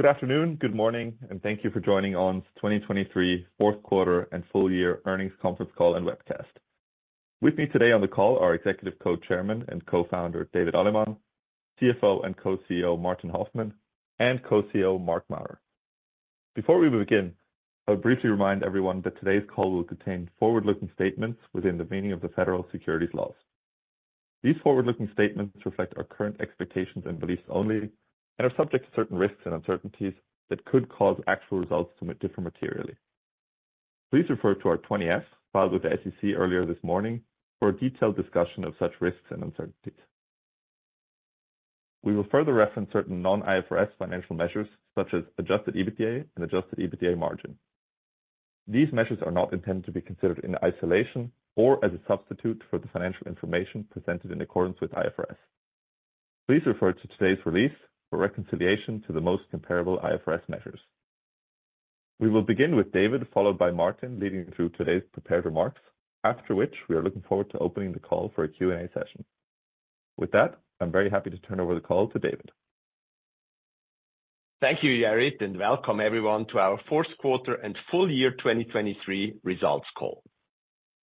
Good afternoon, good morning, and thank you for joining On's 2023 fourth quarter and full year earnings conference call and webcast. With me today on the call are Executive Co-Chairman and Co-Founder, David Allemann, CFO and Co-CEO, Martin Hoffmann, and Co-CEO, Marc Maurer. Before we begin, I'll briefly remind everyone that today's call will contain forward-looking statements within the meaning of the federal securities laws. These forward-looking statements reflect our current expectations and beliefs only, and are subject to certain risks and uncertainties that could cause actual results to differ materially. Please refer to our 20-F, filed with the SEC earlier this morning, for a detailed discussion of such risks and uncertainties. We will further reference certain non-IFRS financial measures, such as adjusted EBITDA and adjusted EBITDA margin. These measures are not intended to be considered in isolation or as a substitute for the financial information presented in accordance with IFRS. Please refer to today's release for reconciliation to the most comparable IFRS measures. We will begin with David, followed by Martin, leading through today's prepared remarks, after which we are looking forward to opening the call for a Q&A session. With that, I'm very happy to turn over the call to David. Thank you, Jarrid, and welcome everyone to our fourth quarter and full year 2023 results call.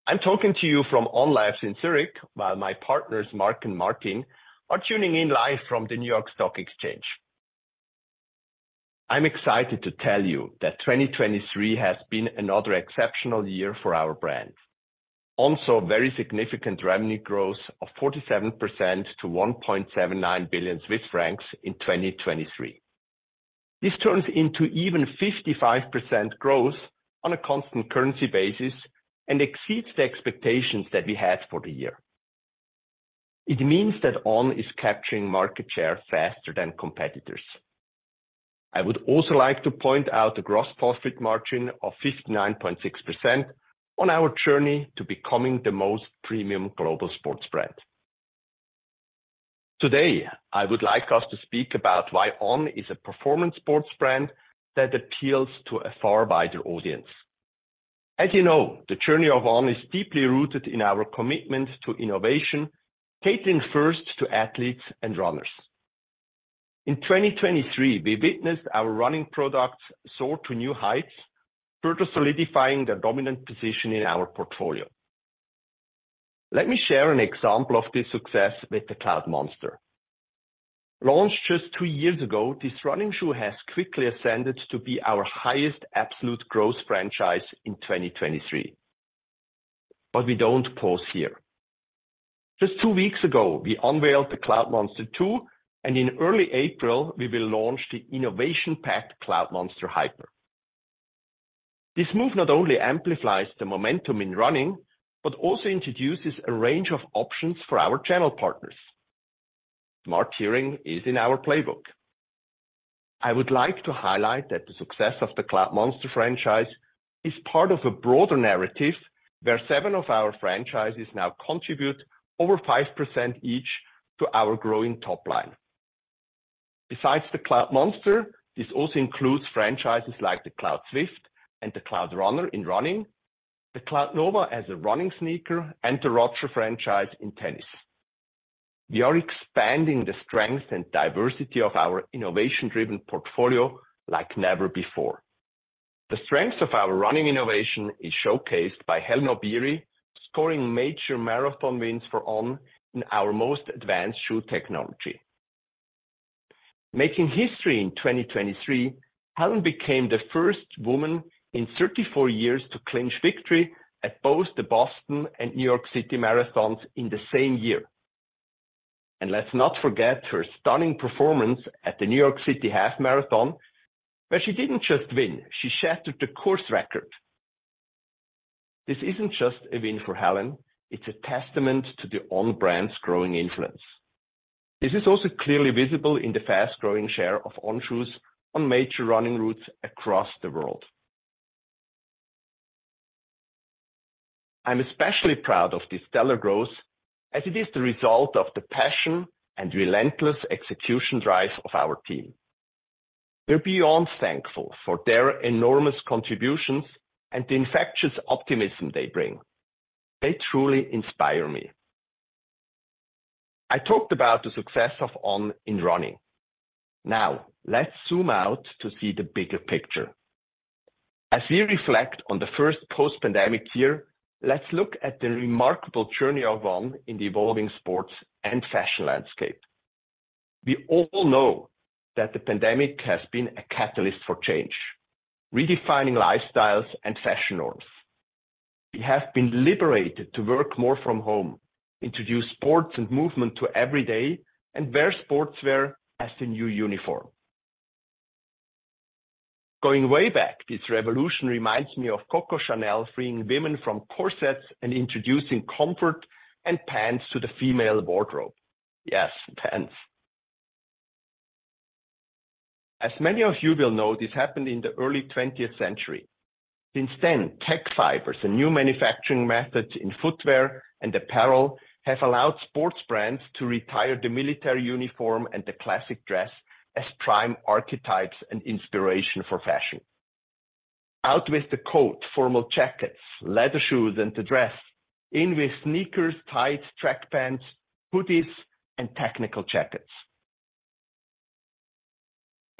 I'm talking to you from On Labs in Zurich, while my partners, Marc and Martin, are tuning in live from the New York Stock Exchange. I'm excited to tell you that 2023 has been another exceptional year for our brand. Also, a very significant revenue growth of 47% to 1.79 billion Swiss francs in 2023. This turns into even 55% growth on a constant currency basis and exceeds the expectations that we had for the year. It means that On is capturing market share faster than competitors. I would also like to point out the gross profit margin of 59.6% on our journey to becoming the most premium global sports brand. Today, I would like us to speak about why On is a performance sports brand that appeals to a far wider audience. As you know, the journey of On is deeply rooted in our commitment to innovation, catering first to athletes and runners. In 2023, we witnessed our running products soar to new heights, further solidifying their dominant position in our portfolio. Let me share an example of this success with the Cloudmonster. Launched just 2 years ago, this running shoe has quickly ascended to be our highest absolute growth franchise in 2023. But we don't pause here. Just 2 weeks ago, we unveiled the Cloudmonster 2, and in early April, we will launch the innovation-packed Cloudmonster Hyper. This move not only amplifies the momentum in running, but also introduces a range of options for our channel partners. Smart tiering is in our playbook. I would like to highlight that the success of the Cloudmonster franchise is part of a broader narrative where seven of our franchises now contribute over 5% each to our growing top line. Besides the Cloudmonster, this also includes franchises like the Cloudswift and the Cloudrunner in running, the Cloudnova as a running sneaker, and the Roger franchise in tennis. We are expanding the strength and diversity of our innovation-driven portfolio like never before. The strength of our running innovation is showcased by Hellen Obiri, scoring major marathon wins for On in our most advanced shoe technology. Making history in 2023, Hellen became the first woman in 34 years to clinch victory at both the Boston and New York City Marathons in the same year. Let's not forget her stunning performance at the New York City Half Marathon, where she didn't just win, she shattered the course record. This isn't just a win for Hellen, it's a testament to the On brand's growing influence. This is also clearly visible in the fast-growing share of On shoes on major running routes across the world. I'm especially proud of this stellar growth, as it is the result of the passion and relentless execution drive of our team. We're beyond thankful for their enormous contributions and the infectious optimism they bring. They truly inspire me. I talked about the success of On in running. Now, let's zoom out to see the bigger picture. As we reflect on the first post-pandemic year, let's look at the remarkable journey of On in the evolving sports and fashion landscape. We all know that the pandemic has been a catalyst for change, redefining lifestyles and fashion norms. We have been liberated to work more from home, introduce sports and movement to every day, and wear sportswear as the new uniform. Going way back, this revolution reminds me of Coco Chanel freeing women from corsets and introducing comfort and pants to the female wardrobe. Yes, pants. As many of you will know, this happened in the early twentieth century. Since then, tech fibers and new manufacturing methods in footwear and apparel have allowed sports brands to retire the military uniform and the classic dress as prime archetypes and inspiration for fashion. Out with the coat, formal jackets, leather shoes, and the dress. In with sneakers, tights, track pants, hoodies, and technical jackets.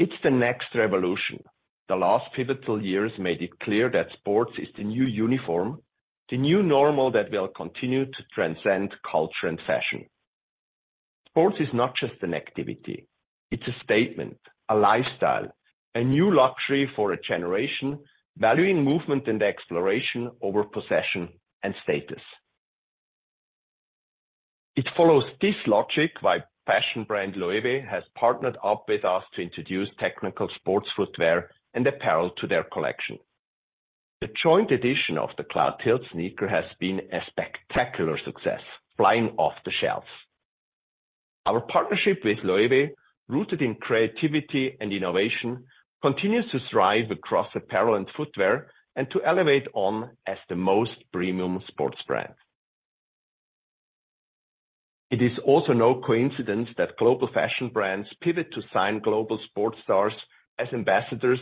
It's the next revolution. The last pivotal years made it clear that sports is the new uniform, the new normal that will continue to transcend culture and fashion. Sports is not just an activity, it's a statement, a lifestyle, a new luxury for a generation, valuing movement and exploration over possession and status. It follows this logic why fashion brand LOEWE has partnered up with us to introduce technical sports footwear and apparel to their collection. The joint edition of the Cloudtilt sneaker has been a spectacular success, flying off the shelves. Our partnership with LOEWE, rooted in creativity and innovation, continues to thrive across apparel and footwear, and to elevate On as the most premium sports brand. It is also no coincidence that global fashion brands pivot to sign global sports stars as ambassadors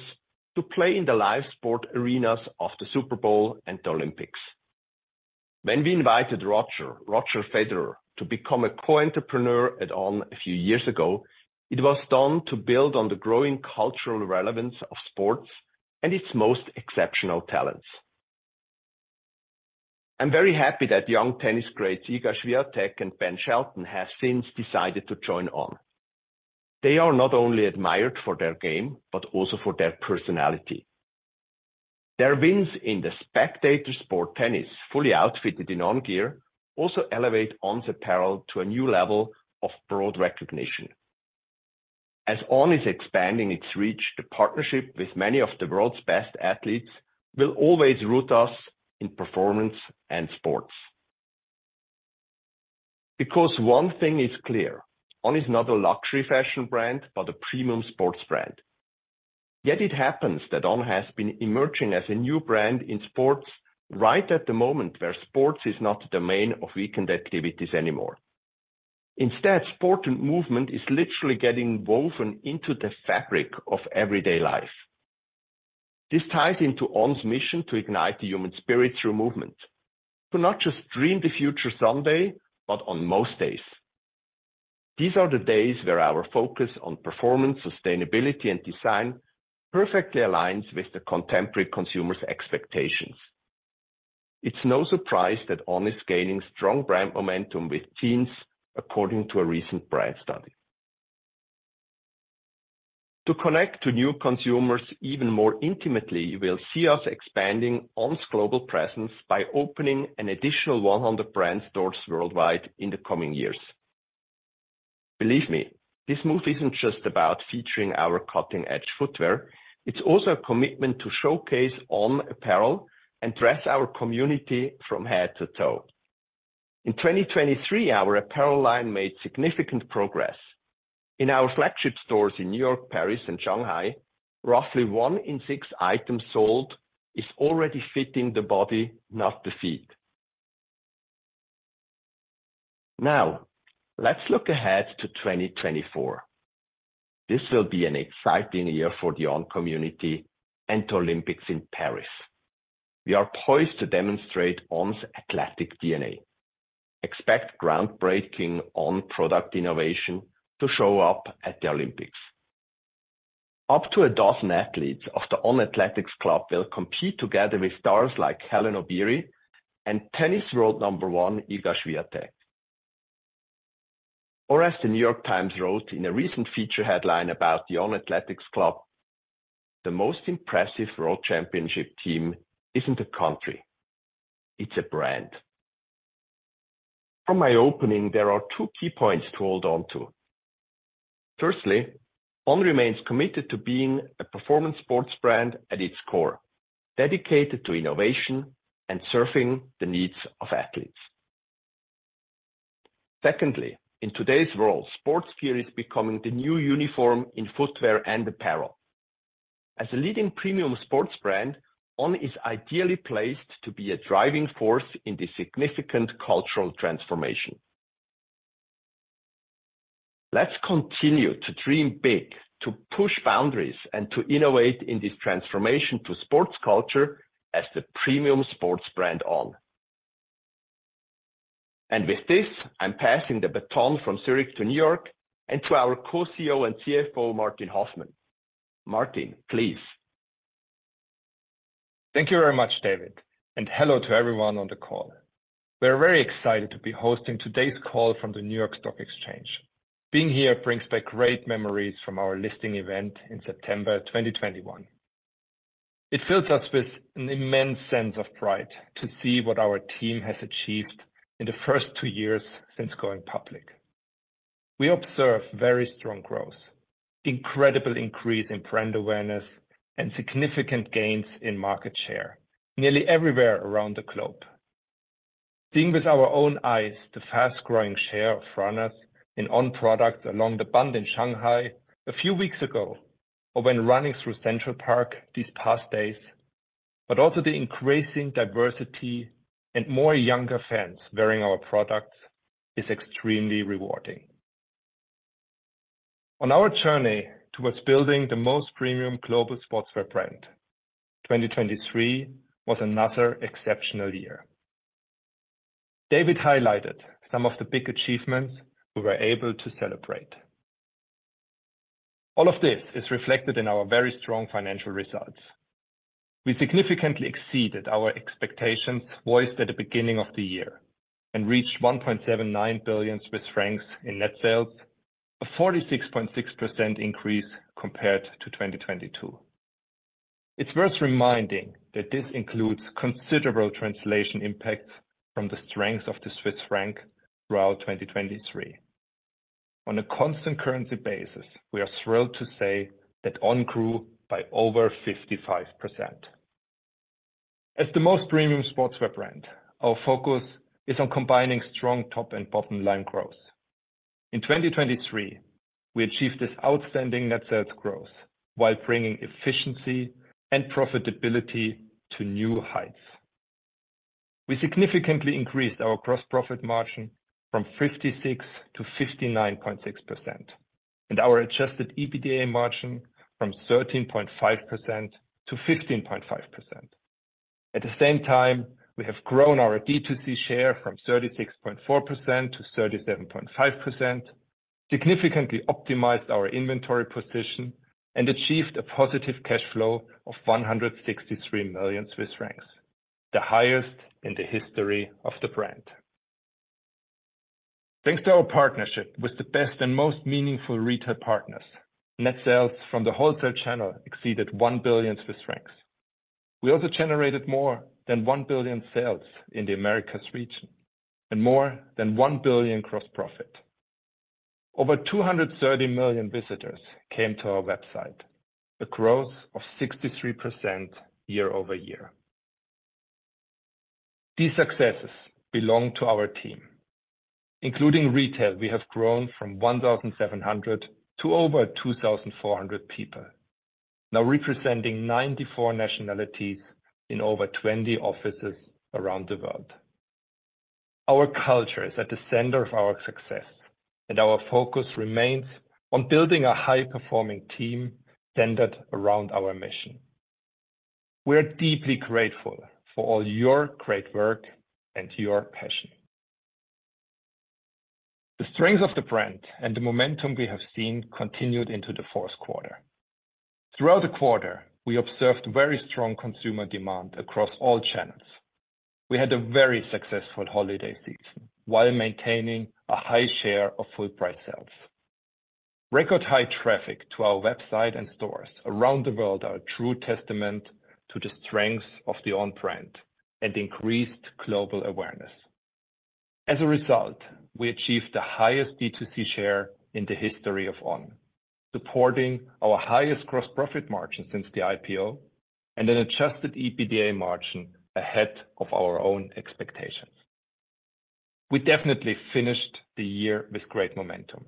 to play in the live sport arenas of the Super Bowl and the Olympics. When we invited Roger, Roger Federer, to become a co-entrepreneur at On a few years ago, it was done to build on the growing cultural relevance of sports and its most exceptional talents. I'm very happy that young tennis greats Iga Świątek and Ben Shelton have since decided to join On. They are not only admired for their game, but also for their personality. Their wins in the spectator sport, tennis, fully outfitted in On gear, also elevate On apparel to a new level of broad recognition. As On is expanding its reach, the partnership with many of the world's best athletes will always root us in performance and sports. Because one thing is clear, On is not a luxury fashion brand, but a premium sports brand. Yet it happens that On has been emerging as a new brand in sports right at the moment, where sports is not the domain of weekend activities anymore. Instead, sport and movement is literally getting woven into the fabric of everyday life. This ties into On's mission to ignite the human spirit through movement. To not just dream the future someday, but on most days. These are the days where our focus on performance, sustainability, and design perfectly aligns with the contemporary consumer's expectations. It's no surprise that On is gaining strong brand momentum with teens, according to a recent brand study. To connect to new consumers even more intimately, you will see us expanding On's global presence by opening an additional 100 brand stores worldwide in the coming years. Believe me, this move isn't just about featuring our cutting-edge footwear, it's also a commitment to showcase On apparel and dress our community from head to toe. In 2023, our apparel line made significant progress. In our flagship stores in New York, Paris, and Shanghai, roughly one in six items sold is already fitting the body, not the feet. Now, let's look ahead to 2024. This will be an exciting year for the On community and the Olympics in Paris. We are poised to demonstrate On's athletic DNA. Expect groundbreaking On product innovation to show up at the Olympics. Up to a dozen athletes of the On Athletics Club will compete together with stars like Hellen Obiri and tennis world number one, Iga Świątek. Or as the New York Times wrote in a recent feature headline about the On Athletics Club, "The most impressive world championship team isn't a country, it's a brand." From my opening, there are two key points to hold on to. Firstly, On remains committed to being a performance sports brand at its core, dedicated to innovation and serving the needs of athletes. Secondly, in today's world, sportswear is becoming the new uniform in footwear and apparel. As a leading premium sports brand, On is ideally placed to be a driving force in this significant cultural transformation. Let's continue to dream big, to push boundaries, and to innovate in this transformation to sports culture as the premium sports brand, On. And with this, I'm passing the baton from Zurich to New York, and to our Co-CEO and CFO, Martin Hoffmann. Martin, please. Thank you very much, David, and hello to everyone on the call. We're very excited to be hosting today's call from the New York Stock Exchange. Being here brings back great memories from our listing event in September 2021. It fills us with an immense sense of pride to see what our team has achieved in the first two years since going public. We observe very strong growth, incredible increase in brand awareness, and significant gains in market share, nearly everywhere around the globe. Seeing with our own eyes, the fast-growing share of runners in On products along the Bund in Shanghai a few weeks ago, or when running through Central Park these past days, but also the increasing diversity and more younger fans wearing our products, is extremely rewarding. On our journey towards building the most premium global sportswear brand, 2023 was another exceptional year. David highlighted some of the big achievements we were able to celebrate. All of this is reflected in our very strong financial results. We significantly exceeded our expectations voiced at the beginning of the year, and reached 1.79 billion Swiss francs in net sales, a 46.6% increase compared to 2022. It's worth reminding that this includes considerable translation impacts from the strength of the Swiss franc throughout 2023. On a constant currency basis, we are thrilled to say that On grew by over 55%. As the most premium sportswear brand, our focus is on combining strong top and bottom line growth. In 2023, we achieved this outstanding net sales growth, while bringing efficiency and profitability to new heights. We significantly increased our gross profit margin from 56%-59.6%, and our adjusted EBITDA margin from 13.5%-15.5%. At the same time, we have grown our D2C share from 36.4%-37.5%, significantly optimized our inventory position, and achieved a positive cash flow of 163 million Swiss francs, the highest in the history of the brand. Thanks to our partnership with the best and most meaningful retail partners, net sales from the wholesale channel exceeded 1 billion Swiss francs. We also generated more than 1 billion sales in the Americas region, and more than 1 billion gross profit. Over 230 million visitors came to our website, a growth of 63% year-over-year. These successes belong to our team. Including retail, we have grown from 1,700 to over 2,400 people, now representing 94 nationalities in over 20 offices around the world. Our culture is at the center of our success, and our focus remains on building a high-performing team centered around our mission. We are deeply grateful for all your great work and your passion. The strength of the brand and the momentum we have seen continued into the fourth quarter. Throughout the quarter, we observed very strong consumer demand across all channels. We had a very successful holiday season, while maintaining a high share of full price sales. Record high traffic to our website and stores around the world are a true testament to the strength of the On brand, and increased global awareness. As a result, we achieved the highest D2C share in the history of On, supporting our highest gross profit margin since the IPO, and an adjusted EBITDA margin ahead of our own expectations. We definitely finished the year with great momentum.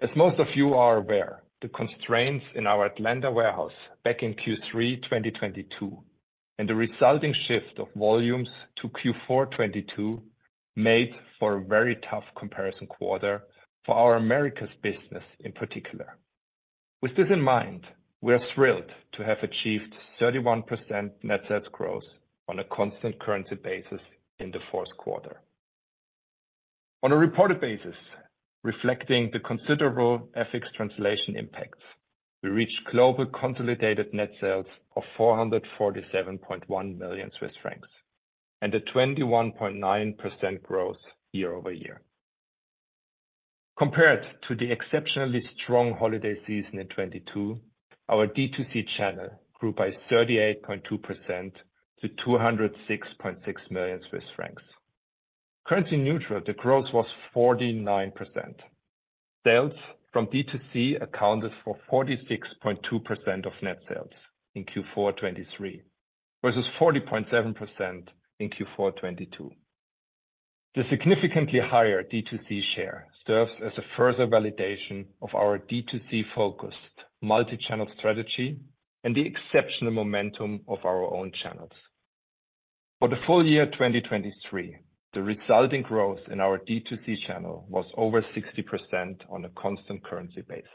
As most of you are aware, the constraints in our Atlanta warehouse back in Q3 2022, and the resulting shift of volumes to Q4 2022, made for a very tough comparison quarter for our Americas business in particular. With this in mind, we are thrilled to have achieved 31% net sales growth on a constant currency basis in the fourth quarter. On a reported basis, reflecting the considerable FX translation impacts, we reached global consolidated net sales of 447.1 million Swiss francs, and a 21.9% growth year-over-year. Compared to the exceptionally strong holiday season in 2022, our D2C channel grew by 38.2% to 206.6 million Swiss francs. Currency neutral, the growth was 49%. Sales from D2C accounted for 46.2% of net sales in Q4 2023, versus 40.7% in Q4 2022. The significantly higher D2C share serves as a further validation of our D2C-focused multi-channel strategy, and the exceptional momentum of our own channels. For the full year 2023, the resulting growth in our D2C channel was over 60% on a constant currency basis.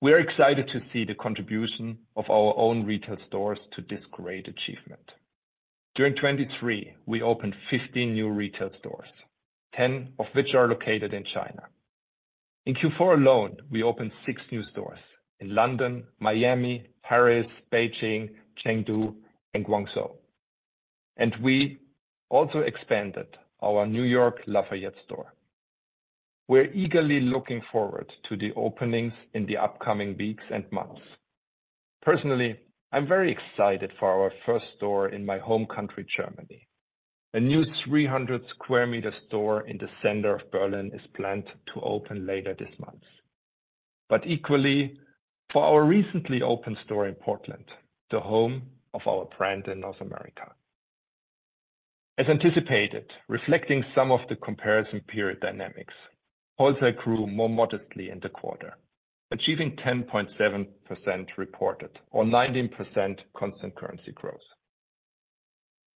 We are excited to see the contribution of our own retail stores to this great achievement. During 2023, we opened 15 new retail stores, 10 of which are located in China. In Q4 alone, we opened 6 new stores in London, Miami, Paris, Beijing, Chengdu, and Guangzhou, and we also expanded our New York Lafayette store. We're eagerly looking forward to the openings in the upcoming weeks and months. Personally, I'm very excited for our first store in my home country, Germany. A new 300 square meter store in the center of Berlin is planned to open later this month. But equally, for our recently opened store in Portland, the home of our brand in North America. As anticipated, reflecting some of the comparison period dynamics, wholesale grew more modestly in the quarter, achieving 10.7% reported or 19% constant currency growth.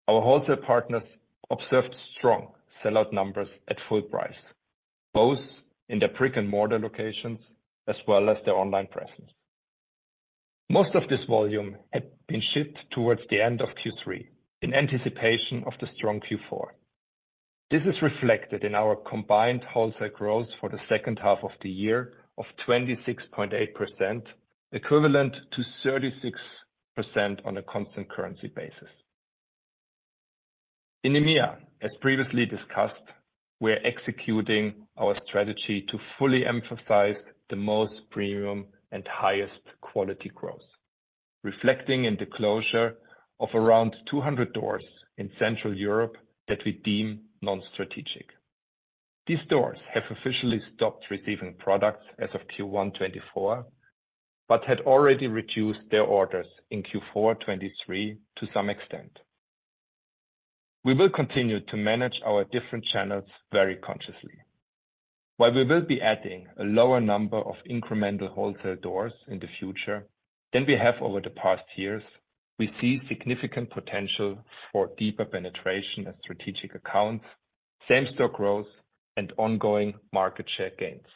Our wholesale partners observed strong sell-out numbers at full price, both in their brick-and-mortar locations as well as their online presence. Most of this volume had been shipped towards the end of Q3, in anticipation of the strong Q4. This is reflected in our combined wholesale growth for the second half of the year of 26.8%, equivalent to 36% on a constant currency basis. In EMEA, as previously discussed, we are executing our strategy to fully emphasize the most premium and highest quality growth, reflecting in the closure of around 200 stores in Central Europe that we deem non-strategic. These stores have officially stopped receiving products as of Q1 2024, but had already reduced their orders in Q4 2023 to some extent. We will continue to manage our different channels very consciously. While we will be adding a lower number of incremental wholesale stores in the future than we have over the past years, we see significant potential for deeper penetration and strategic accounts, same-store growth, and ongoing market share gains.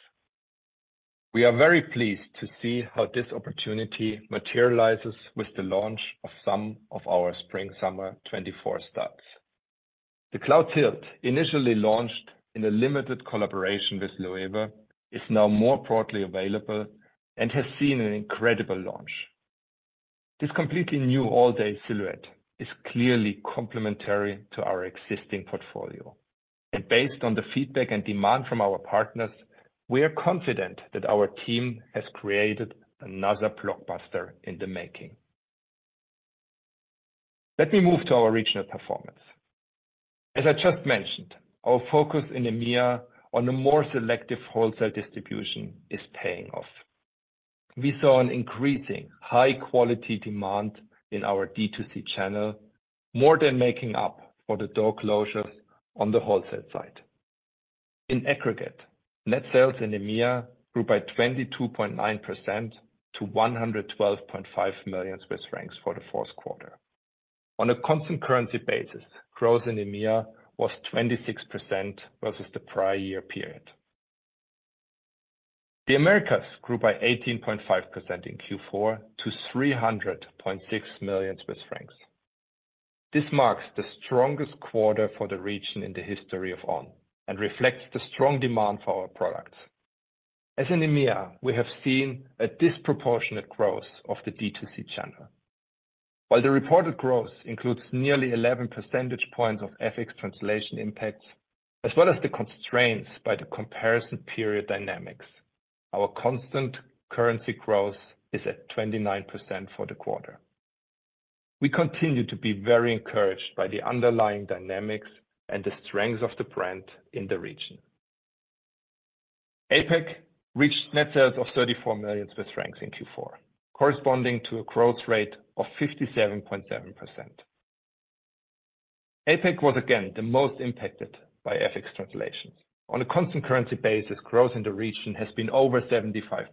We are very pleased to see how this opportunity materializes with the launch of some of our spring/summer 2024 styles. The Cloudtilt, initially launched in a limited collaboration with LOEWE, is now more broadly available and has seen an incredible launch. This completely new all-day silhouette is clearly complementary to our existing portfolio, and based on the feedback and demand from our partners, we are confident that our team has created another blockbuster in the making. Let me move to our regional performance. As I just mentioned, our focus in EMEA on a more selective wholesale distribution is paying off. We saw an increasing high-quality demand in our D2C channel, more than making up for the door closures on the wholesale side. In aggregate, net sales in EMEA grew by 22.9% to 112.5 million Swiss francs for the fourth quarter. On a constant currency basis, growth in EMEA was 26% versus the prior year period. The Americas grew by 18.5% in Q4 to 300.6 million Swiss francs. This marks the strongest quarter for the region in the history of On, and reflects the strong demand for our products. As in EMEA, we have seen a disproportionate growth of the D2C channel. While the reported growth includes nearly 11 percentage points of FX translation impacts, as well as the constraints by the comparison period dynamics, our constant currency growth is at 29% for the quarter. We continue to be very encouraged by the underlying dynamics and the strength of the brand in the region. APAC reached net sales of 34 million Swiss francs in Q4, corresponding to a growth rate of 57.7%. APAC was again the most impacted by FX translations. On a constant currency basis, growth in the region has been over 75%.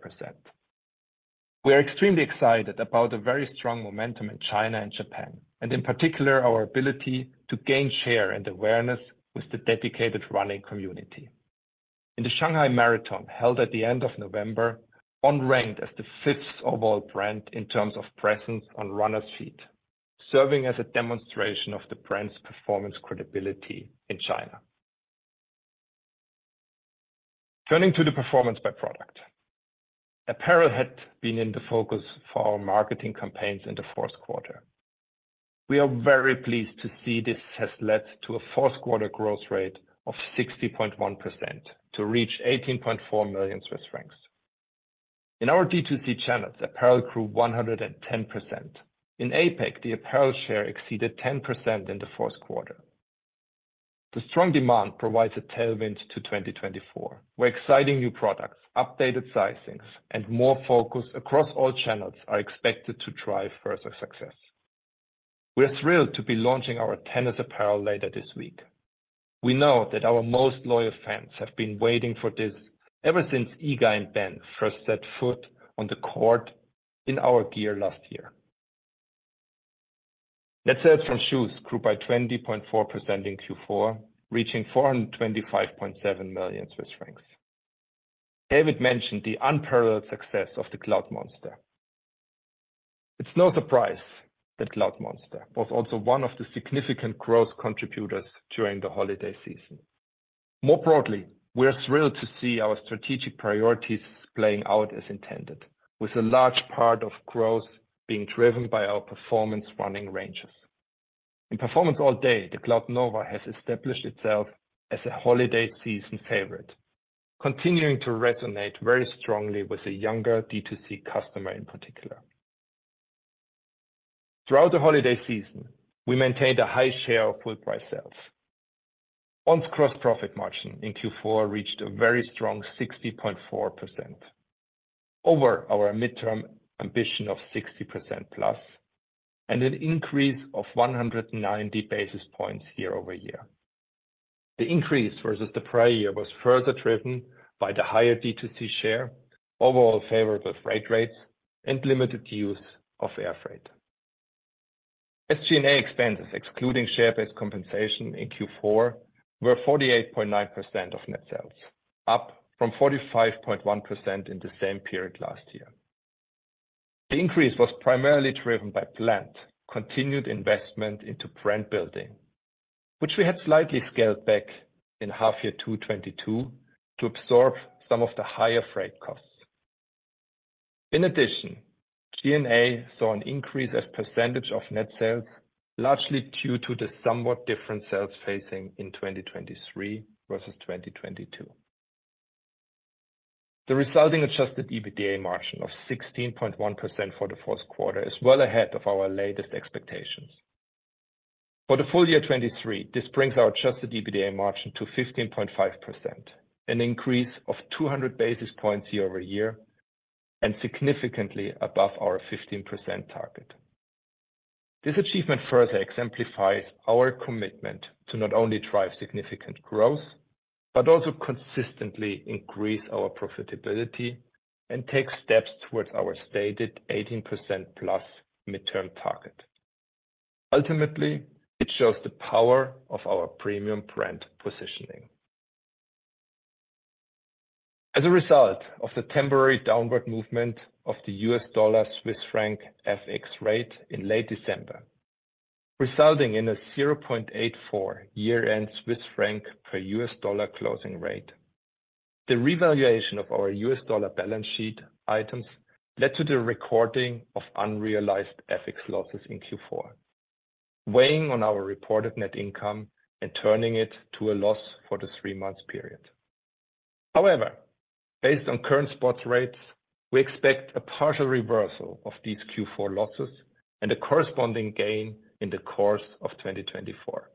We are extremely excited about the very strong momentum in China and Japan, and in particular, our ability to gain share and awareness with the dedicated running community. In the Shanghai Marathon, held at the end of November, On ranked as the 5th overall brand in terms of presence on runners' feet, serving as a demonstration of the brand's performance credibility in China. Turning to the performance by product. Apparel had been in the focus for our marketing campaigns in the fourth quarter. We are very pleased to see this has led to a fourth quarter growth rate of 60.1% to reach 18.4 million Swiss francs. In our D2C channels, apparel grew 110%. In APAC, the apparel share exceeded 10% in the fourth quarter. The strong demand provides a tailwind to 2024, where exciting new products, updated sizings, and more focus across all channels are expected to drive further success. We are thrilled to be launching our tennis apparel later this week. We know that our most loyal fans have been waiting for this ever since Iga and Ben first set foot on the court in our gear last year. Net sales from shoes grew by 20.4% in Q4, reaching 425.7 million Swiss francs. David mentioned the unparalleled success of the Cloudmonster. It's no surprise that Cloudmonster was also one of the significant growth contributors during the holiday season. More broadly, we are thrilled to see our strategic priorities playing out as intended, with a large part of growth being driven by our performance running ranges. In Performance All Day, the Cloudnova has established itself as a holiday season favorite, continuing to resonate very strongly with the younger D2C customer in particular. Throughout the holiday season, we maintained a high share of full price sales. On's gross profit margin in Q4 reached a very strong 60.4%, over our midterm ambition of 60%+, and an increase of 190 basis points year-over-year. The increase versus the prior year was further driven by the higher D2C share, overall favorable freight rates, and limited use of air freight. SG&A expenses, excluding share-based compensation in Q4, were 48.9% of net sales, up from 45.1% in the same period last year. The increase was primarily driven by planned, continued investment into brand building, which we had slightly scaled back in H2 2022 to absorb some of the higher freight costs. In addition, G&A saw an increase as percentage of net sales, largely due to the somewhat different sales facing in 2023 versus 2022. The resulting adjusted EBITDA margin of 16.1% for the fourth quarter is well ahead of our latest expectations. For the full year 2023, this brings our adjusted EBITDA margin to 15.5%, an increase of 200 basis points year over year, and significantly above our 15% target. This achievement further exemplifies our commitment to not only drive significant growth, but also consistently increase our profitability and take steps towards our stated 18%+ midterm target. Ultimately, it shows the power of our premium brand positioning. As a result of the temporary downward movement of the USD-CHF FX rate in late December, resulting in a 0.84 year-end CHF per USD closing rate, the revaluation of our USD balance sheet items led to the recording of unrealized FX losses in Q4, weighing on our reported net income and turning it to a loss for the three-month period. However, based on current spot rates, we expect a partial reversal of these Q4 losses and a corresponding gain in the course of 2024.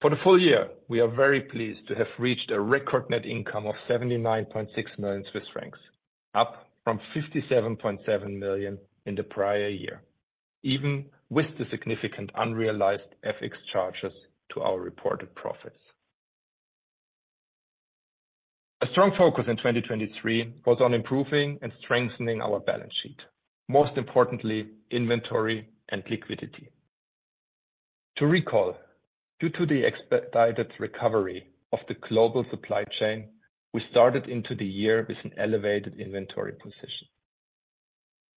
For the full year, we are very pleased to have reached a record net income of 79.6 million Swiss francs, up from 57.7 million in the prior year, even with the significant unrealized FX charges to our reported profits. A strong focus in 2023 was on improving and strengthening our balance sheet, most importantly, inventory and liquidity. To recall, due to the expedited recovery of the global supply chain, we started into the year with an elevated inventory position.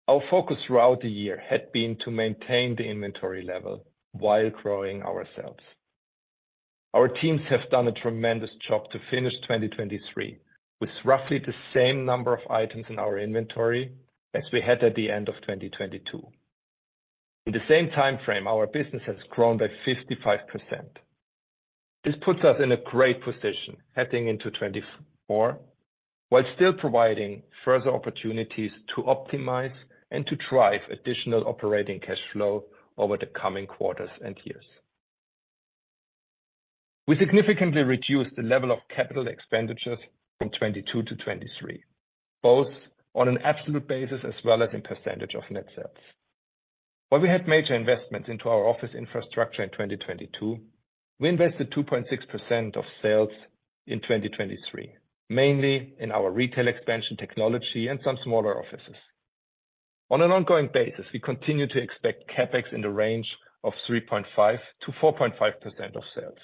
Our focus throughout the year had been to maintain the inventory level while growing our sales. Our teams have done a tremendous job to finish 2023, with roughly the same number of items in our inventory as we had at the end of 2022. In the same time frame, our business has grown by 55%. This puts us in a great position heading into 2024, while still providing further opportunities to optimize and to drive additional operating cash flow over the coming quarters and years. We significantly reduced the level of capital expenditures from 2022-2023, both on an absolute basis as well as in percentage of net sales. While we had major investments into our office infrastructure in 2022, we invested 2.6% of sales in 2023, mainly in our retail expansion technology and some smaller offices. On an ongoing basis, we continue to expect CapEx in the range of 3.5%-4.5% of sales.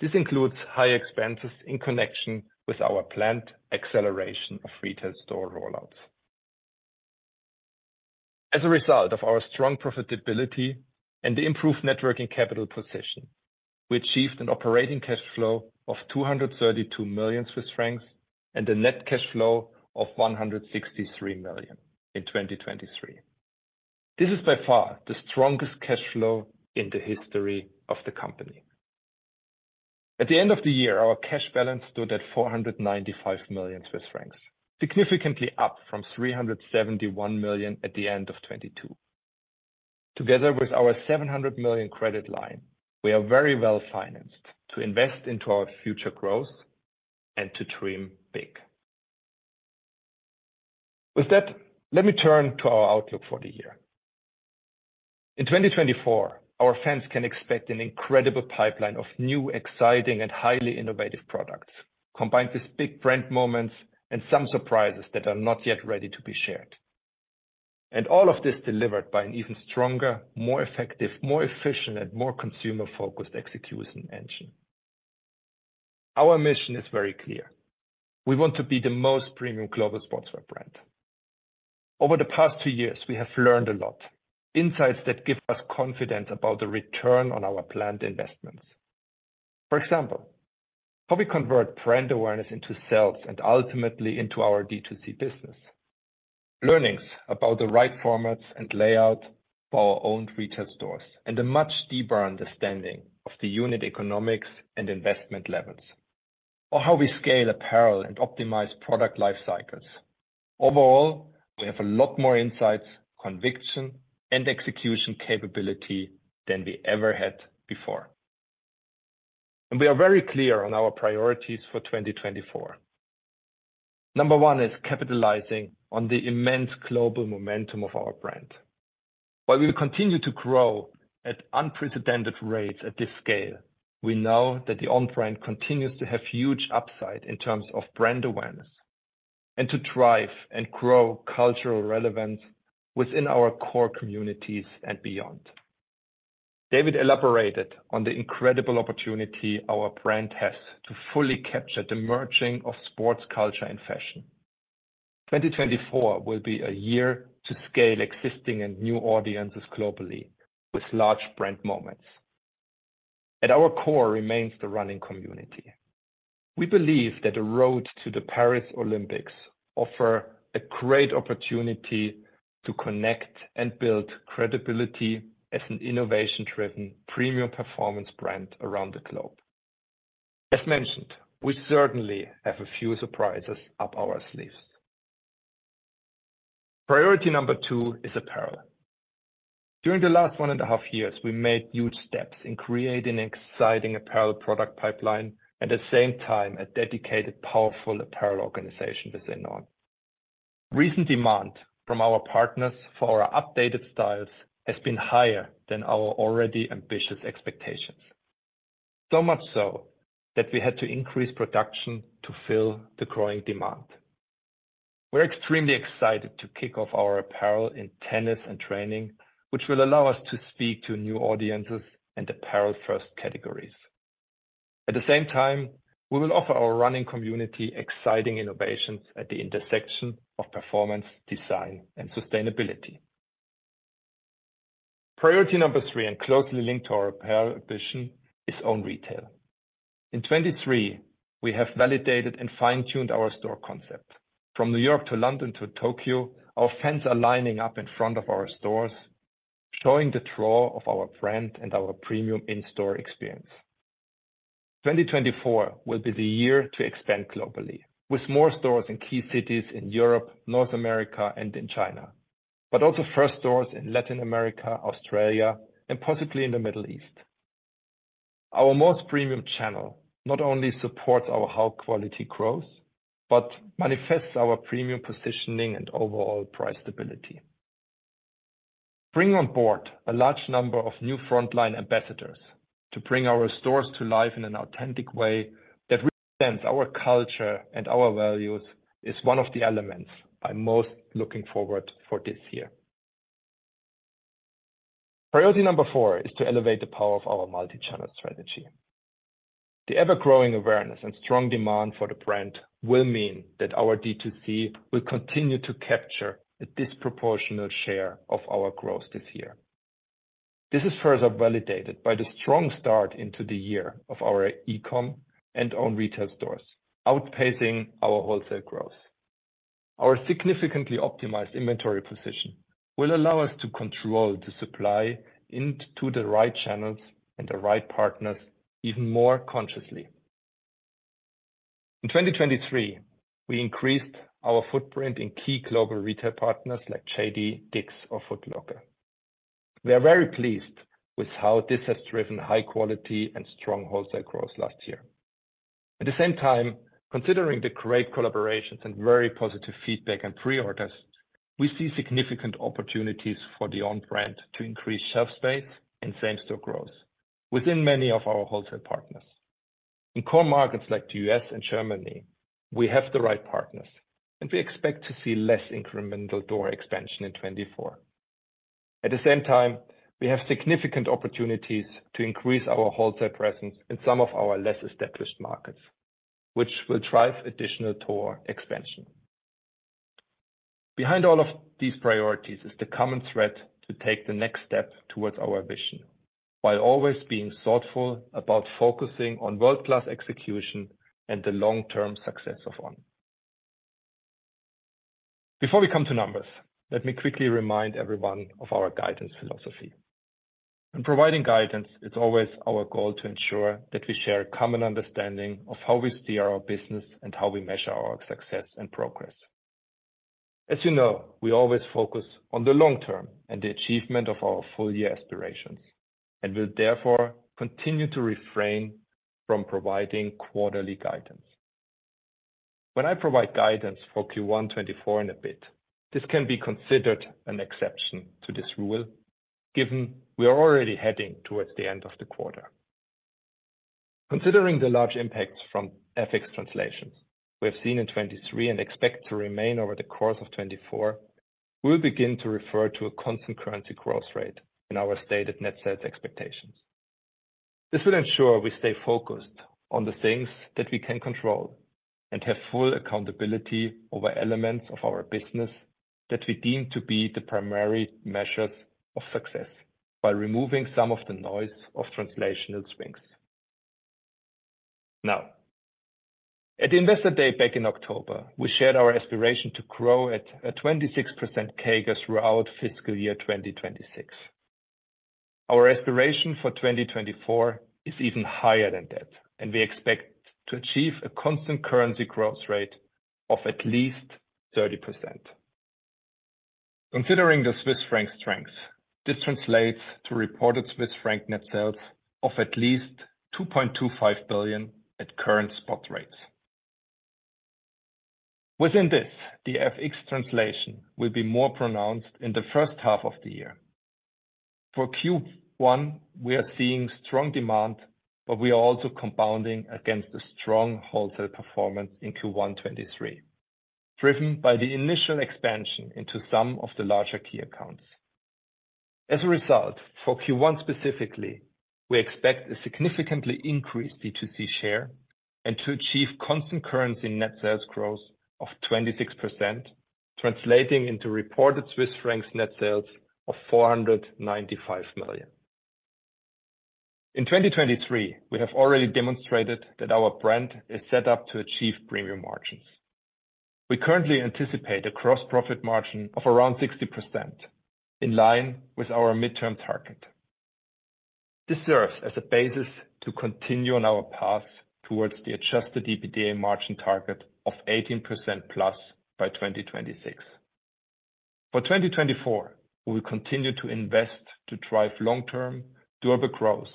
This includes high expenses in connection with our planned acceleration of retail store rollouts. As a result of our strong profitability and the improved networking capital position, we achieved an operating cash flow of 232 million Swiss francs, and a net cash flow of 163 million in 2023. This is by far the strongest cash flow in the history of the company. At the end of the year, our cash balance stood at 495 million Swiss francs, significantly up from 371 million at the end of 2022. Together with our 700 million credit line, we are very well financed to invest into our future growth and to dream big. With that, let me turn to our outlook for the year. In 2024, our fans can expect an incredible pipeline of new, exciting, and highly innovative products, combined with big brand moments and some surprises that are not yet ready to be shared. All of this delivered by an even stronger, more effective, more efficient, and more consumer-focused execution engine. Our mission is very clear: We want to be the most premium global sportswear brand. Over the past two years, we have learned a lot, insights that give us confidence about the return on our planned investments. For example, how we convert brand awareness into sales and ultimately into our D2C business. Learnings about the right formats and layout for our own retail stores, and a much deeper understanding of the unit economics and investment levels, or how we scale apparel and optimize product life cycles. Overall, we have a lot more insights, conviction, and execution capability than we ever had before. We are very clear on our priorities for 2024. Number one is capitalizing on the immense global momentum of our brand. While we will continue to grow at unprecedented rates at this scale, we know that the On brand continues to have huge upside in terms of brand awareness, and to drive and grow cultural relevance within our core communities and beyond. David elaborated on the incredible opportunity our brand has to fully capture the merging of sports, culture, and fashion. 2024 will be a year to scale existing and new audiences globally, with large brand moments. At our core remains the running community. We believe that the road to the Paris Olympics offers a great opportunity to connect and build credibility as an innovation-driven, premium performance brand around the globe. As mentioned, we certainly have a few surprises up our sleeves. Priority number two is apparel. During the last one and a half years, we made huge steps in creating an exciting apparel product pipeline, at the same time, a dedicated, powerful apparel organization within On. Recent demand from our partners for our updated styles has been higher than our already ambitious expectations. So much so, that we had to increase production to fill the growing demand. We're extremely excited to kick off our apparel in tennis and training, which will allow us to speak to new audiences and apparel-first categories. At the same time, we will offer our running community exciting innovations at the intersection of performance, design, and sustainability. Priority number three, and closely linked to our apparel ambition, is own retail. In 2023, we have validated and fine-tuned our store concept. From New York to London to Tokyo, our fans are lining up in front of our stores, showing the draw of our brand and our premium in-store experience. 2024 will be the year to expand globally, with more stores in key cities in Europe, North America, and in China, but also first stores in Latin America, Australia, and possibly in the Middle East. Our most premium channel not only supports our high-quality growth, but manifests our premium positioning and overall price stability. Bringing on board a large number of new frontline ambassadors to bring our stores to life in an authentic way that represents our culture and our values, is one of the elements I'm most looking forward for this year. Priority number four is to elevate the power of our multi-channel strategy. The ever-growing awareness and strong demand for the brand will mean that our D2C will continue to capture a disproportionate share of our growth this year. This is further validated by the strong start into the year of our e-com and own retail stores, outpacing our wholesale growth. Our significantly optimized inventory position will allow us to control the supply into the right channels and the right partners even more consciously. In 2023, we increased our footprint in key global retail partners like JD, Dick's, or Foot Locker. We are very pleased with how this has driven high quality and strong wholesale growth last year. At the same time, considering the great collaborations and very positive feedback and preorders, we see significant opportunities for the On brand to increase shelf space and same-store growth within many of our wholesale partners. In core markets like the U.S. and Germany, we have the right partners, and we expect to see less incremental door expansion in 2024. At the same time, we have significant opportunities to increase our wholesale presence in some of our less established markets, which will drive additional door expansion. Behind all of these priorities is the common thread to take the next step towards our vision, while always being thoughtful about focusing on world-class execution and the long-term success of On. Before we come to numbers, let me quickly remind everyone of our guidance philosophy. In providing guidance, it's always our goal to ensure that we share a common understanding of how we see our business and how we measure our success and progress. As you know, we always focus on the long term and the achievement of our full-year aspirations, and will therefore continue to refrain from providing quarterly guidance. When I provide guidance for Q1 2024 in a bit, this can be considered an exception to this rule, given we are already heading towards the end of the quarter. Considering the large impacts from FX translations we have seen in 2023 and expect to remain over the course of 2024, we will begin to refer to a constant currency growth rate in our stated net sales expectations. This will ensure we stay focused on the things that we can control, and have full accountability over elements of our business that we deem to be the primary measures of success, by removing some of the noise of translational swings. Now, at Investor Day back in October, we shared our aspiration to grow at a 26% CAGR throughout fiscal year 2026. Our aspiration for 2024 is even higher than that, and we expect to achieve a constant currency growth rate of at least 30%. Considering the Swiss franc strength, this translates to reported Swiss franc net sales of at least 2.25 billion at current spot rates. Within this, the FX translation will be more pronounced in the first half of the year. For Q1, we are seeing strong demand, but we are also compounding against the strong wholesale performance in Q1 2023, driven by the initial expansion into some of the larger key accounts. As a result, for Q1 specifically, we expect a significantly increased D2C share and to achieve constant currency net sales growth of 26%, translating into reported 495 million net sales. In 2023, we have already demonstrated that our brand is set up to achieve premium margins. We currently anticipate a gross profit margin of around 60%, in line with our midterm target. This serves as a basis to continue on our path towards the adjusted EBITDA margin target of 18%+ by 2026. For 2024, we will continue to invest to drive long-term durable growth,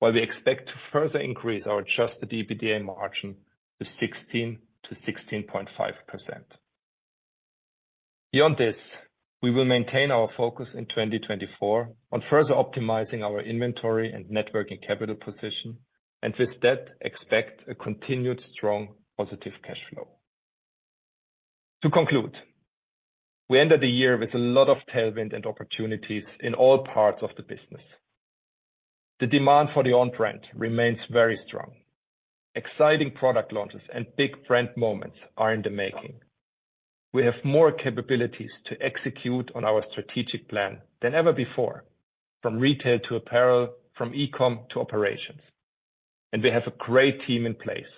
while we expect to further increase our adjusted EBITDA margin to 16%-16.5%. Beyond this, we will maintain our focus in 2024 on further optimizing our inventory and net working capital position, and with that, expect a continued strong positive cash flow. To conclude, we ended the year with a lot of tailwind and opportunities in all parts of the business. The demand for the On brand remains very strong. Exciting product launches and big brand moments are in the making. We have more capabilities to execute on our strategic plan than ever before, from retail to apparel, from e-com to operations, and we have a great team in place,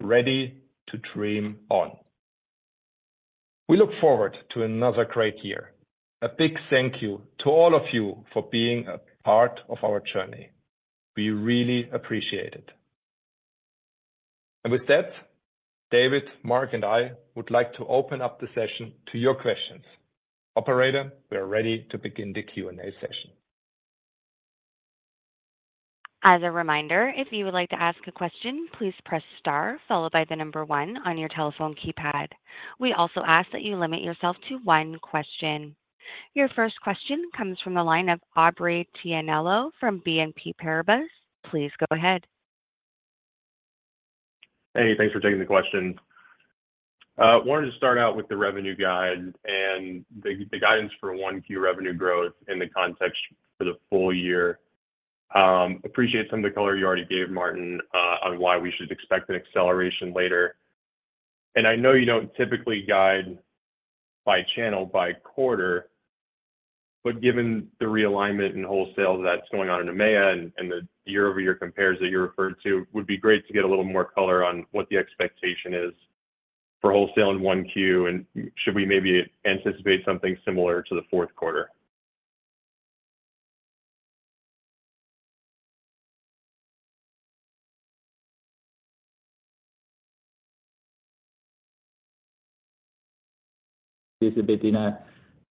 ready to dream on. We look forward to another great year. A big thank you to all of you for being a part of our journey. We really appreciate it. And with that, David, Marc, and I would like to open up the session to your questions. Operator, we are ready to begin the Q&A session. As a reminder, if you would like to ask a question, please press star followed by the number one on your telephone keypad. We also ask that you limit yourself to one question. Your first question comes from the line of Aubrey Tianello from BNP Paribas. Please go ahead. Hey, thanks for taking the question. Wanted to start out with the revenue guide and the guidance for one Q revenue growth in the context for the full year. Appreciate some of the color you already gave, Martin, on why we should expect an acceleration later. And I know you don't typically guide by channel by quarter, but given the realignment in wholesale that's going on in EMEA and the year-over-year compares that you referred to, would be great to get a little more color on what the expectation is for wholesale in one Q, and should we maybe anticipate something similar to the fourth quarter? This a bit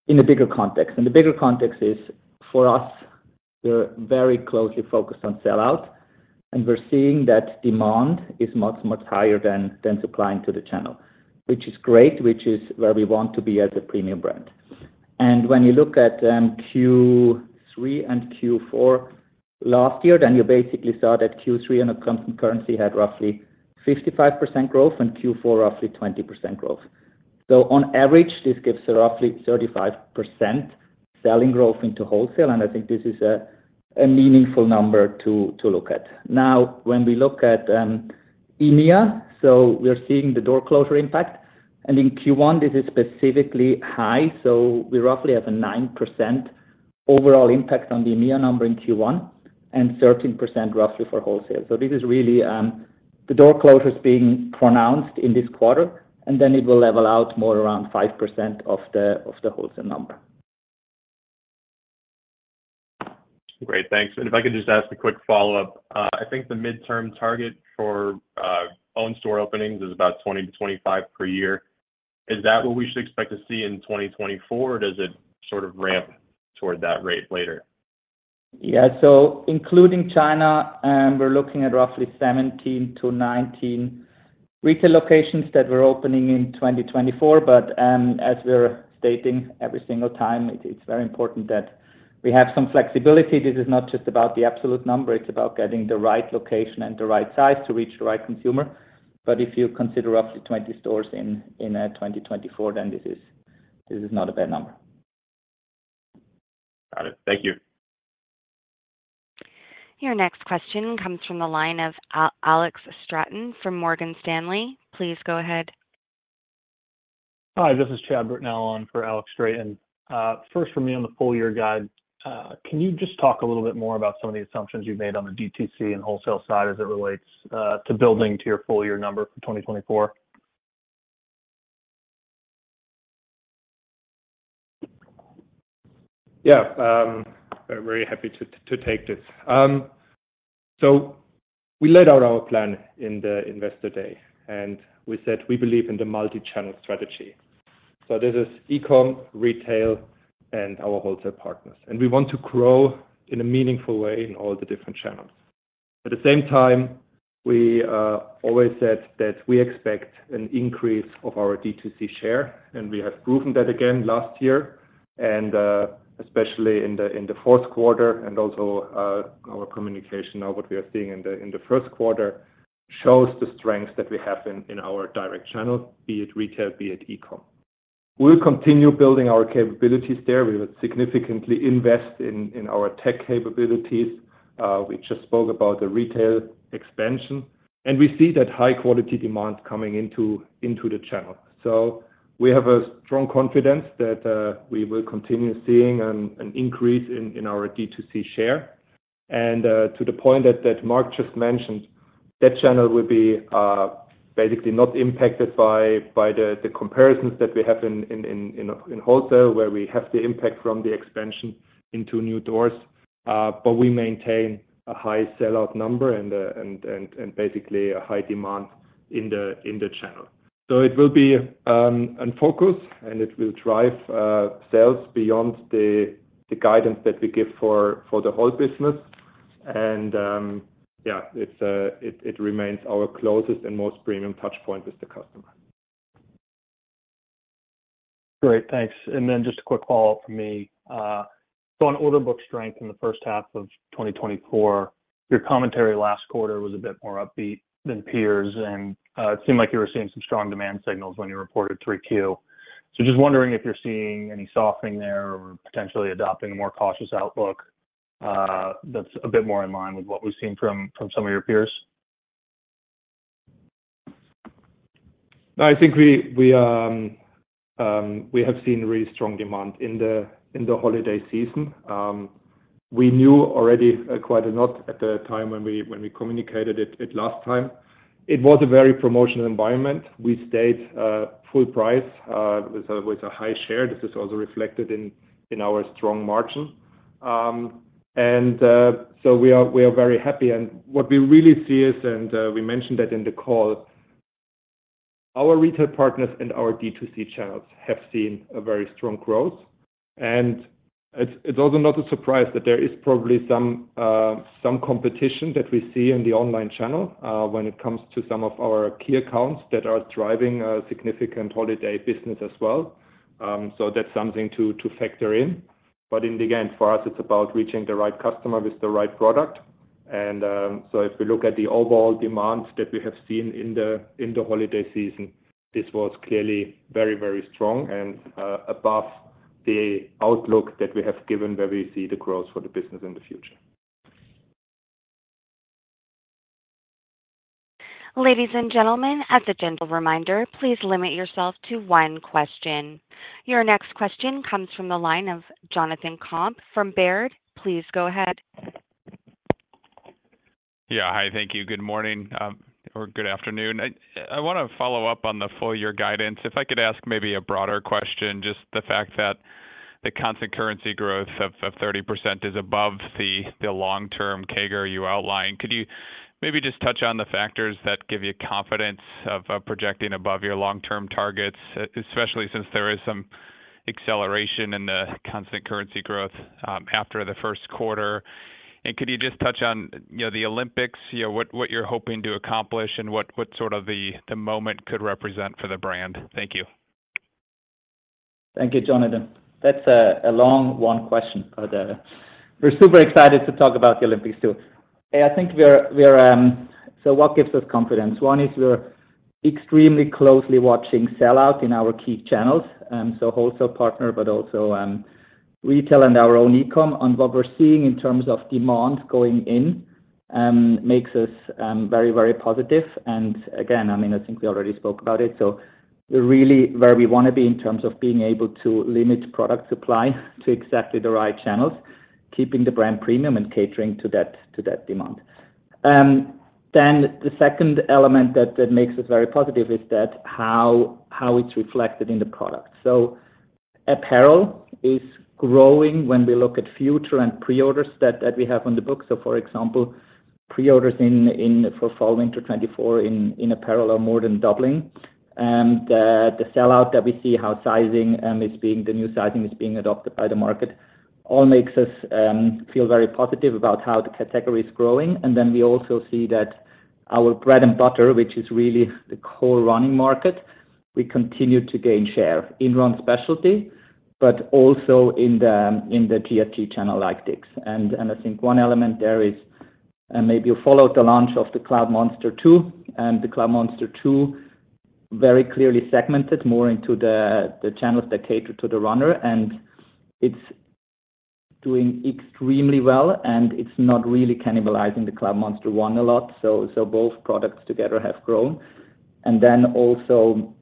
in a bigger context, and the bigger context is, for us, we're very closely focused on sellout, and we're seeing that demand is much higher than supplying to the channel, which is great, which is where we want to be as a premium brand. When you look at Q3 and Q4 last year, then you basically saw that Q3 in a constant currency had roughly 55% growth, and Q4, roughly 20% growth. So on average, this gives a roughly 35% selling growth into wholesale, and I think this is a meaningful number to look at. Now, when we look at EMEA, we're seeing the door closure impact, and in Q1, this is specifically high, so we roughly have a 9% overall impact on the EMEA number in Q1, and 13% roughly for wholesale. So this is really the door closures being pronounced in this quarter, and then it will level out more around 5% of the wholesale number. Great. Thanks. If I could just ask a quick follow-up. I think the midterm target for On store openings is about 20-25 per year. Is that what we should expect to see in 2024, or does it sort of ramp toward that rate later? Yeah. So including China, we're looking at roughly 17-19 retail locations that we're opening in 2024, but as we're stating every single time, it's very important that we have some flexibility. This is not just about the absolute number, it's about getting the right location and the right size to reach the right consumer. But if you consider up to 20 stores in 2024, then this is not a bad number. Got it. Thank you. Your next question comes from the line of Alex Straton from Morgan Stanley. Please go ahead. Hi, this is Chad Britnell on for Alex Straton. First for me on the full year guide, can you just talk a little bit more about some of the assumptions you've made on the DTC and wholesale side as it relates to building to your full year number for 2024? Yeah, very happy to take this. So we laid out our plan in the Investor Day, and we said we believe in the multi-channel strategy. So this is e-com, retail, and our wholesale partners, and we want to grow in a meaningful way in all the different channels. At the same time, we always said that we expect an increase of our D2C share, and we have proven that again last year, and especially in the fourth quarter and also our communication, now what we are seeing in the first quarter, shows the strengths that we have in our direct channels, be it retail, be it e-com. We'll continue building our capabilities there. We will significantly invest in our tech capabilities. We just spoke about the retail expansion, and we see that high quality demand coming into the channel. So we have a strong confidence that we will continue seeing an increase in our D2C share. And to the point that Marc just mentioned, that channel will be basically not impacted by the comparisons that we have in wholesale, where we have the impact from the expansion into new doors. But we maintain a high sell-out number and basically a high demand in the channel. So it will be in focus and it will drive sales beyond the guidance that we give for the whole business. And yeah, it remains our closest and most premium touchpoint with the customer. Great, thanks. Just a quick follow-up from me. So on order book strength in the first half of 2024, your commentary last quarter was a bit more upbeat than peers, and it seemed like you were seeing some strong demand signals when you reported Q3. So just wondering if you're seeing any softening there or potentially adopting a more cautious outlook that's a bit more in line with what we've seen from some of your peers? I think we, we, we have seen really strong demand in the, in the holiday season. We knew already, quite a lot at the time when we, when we communicated it at last time. It was a very promotional environment. We stayed, full price, with a, with a high share. This is also reflected in, in our strong margin. And, so we are, we are very happy. What we really see is, and, we mentioned that in the call, our retail partners and our D2C channels have seen a very strong growth. It's, it's also not a surprise that there is probably some, some competition that we see in the online channel, when it comes to some of our key accounts that are driving a significant holiday business as well. So that's something to factor in. But then again, for us, it's about reaching the right customer with the right product. So if we look at the overall demands that we have seen in the holiday season, this was clearly very, very strong and above the outlook that we have given, where we see the growth for the business in the future. Ladies and gentlemen, as a gentle reminder, please limit yourself to one question. Your next question comes from the line of Jonathan Komp from Baird. Please go ahead. Yeah. Hi, thank you. Good morning or good afternoon. I want to follow up on the full year guidance. If I could ask maybe a broader question, just the fact that the constant currency growth of 30% is above the long-term CAGR you outlined. Could you maybe just touch on the factors that give you confidence of projecting above your long-term targets, especially since there is some acceleration in the constant currency growth after the first quarter? And could you just touch on the Olympics, you know, what you're hoping to accomplish and what sort of the moment could represent for the brand? Thank you. Thank you, Jonathan. That's a long one question, but we're super excited to talk about the Olympics, too. I think we're... So what gives us confidence? One is we're extremely closely watching sell-out in our key channels, so wholesale partner, but also, retail and our own e-com. And what we're seeing in terms of demand going in makes us very, very positive. And again, I mean, I think we already spoke about it, so we're really where we want to be in terms of being able to limit product supply to exactly the right channels, keeping the brand premium and catering to that, to that demand. Then the second element that makes us very positive is that how it's reflected in the product. Apparel is growing when we look at future and pre-orders that we have on the books. For example, pre-orders in for fall winter 2024 in apparel are more than doubling. The sell-out that we see, how sizing, the new sizing is being adopted by the market, all makes us feel very positive about how the category is growing. Then we also see that our bread and butter, which is really the core running market, we continue to gain share in run specialty, but also in the TRT channel, like Dick's. And I think one element there is, and maybe you followed the launch of the Cloudmonster 2, and the Cloudmonster 2 very clearly segmented more into the channels that cater to the runner, and it's doing extremely well, and it's not really cannibalizing the Cloudmonster 1 a lot. So both products together have grown. And then also,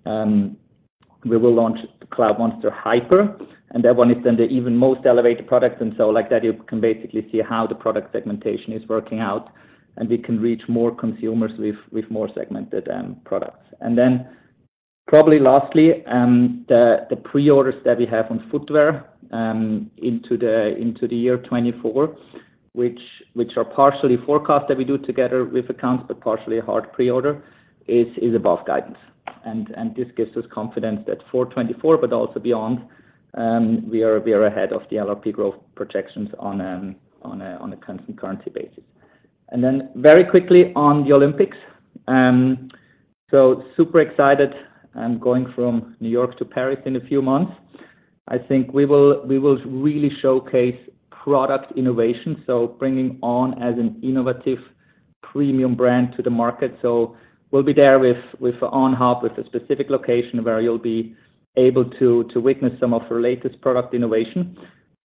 we will launch the Cloudmonster Hyper, and that one is then the even most elevated product. And so like that, you can basically see how the product segmentation is working out, and we can reach more consumers with more segmented products. And then- Probably lastly, the pre-orders that we have on footwear into the year 2024, which are partially forecast that we do together with accounts, but partially a hard pre-order, is above guidance. And this gives us confidence that for 2024, but also beyond, we are ahead of the LRP growth projections on a constant currency basis. And then very quickly on the Olympics. So super excited. I'm going from New York to Paris in a few months. I think we will really showcase product innovation, so bringing On as an innovative premium brand to the market. So we'll be there with On Hub, with a specific location where you'll be able to witness some of our latest product innovation.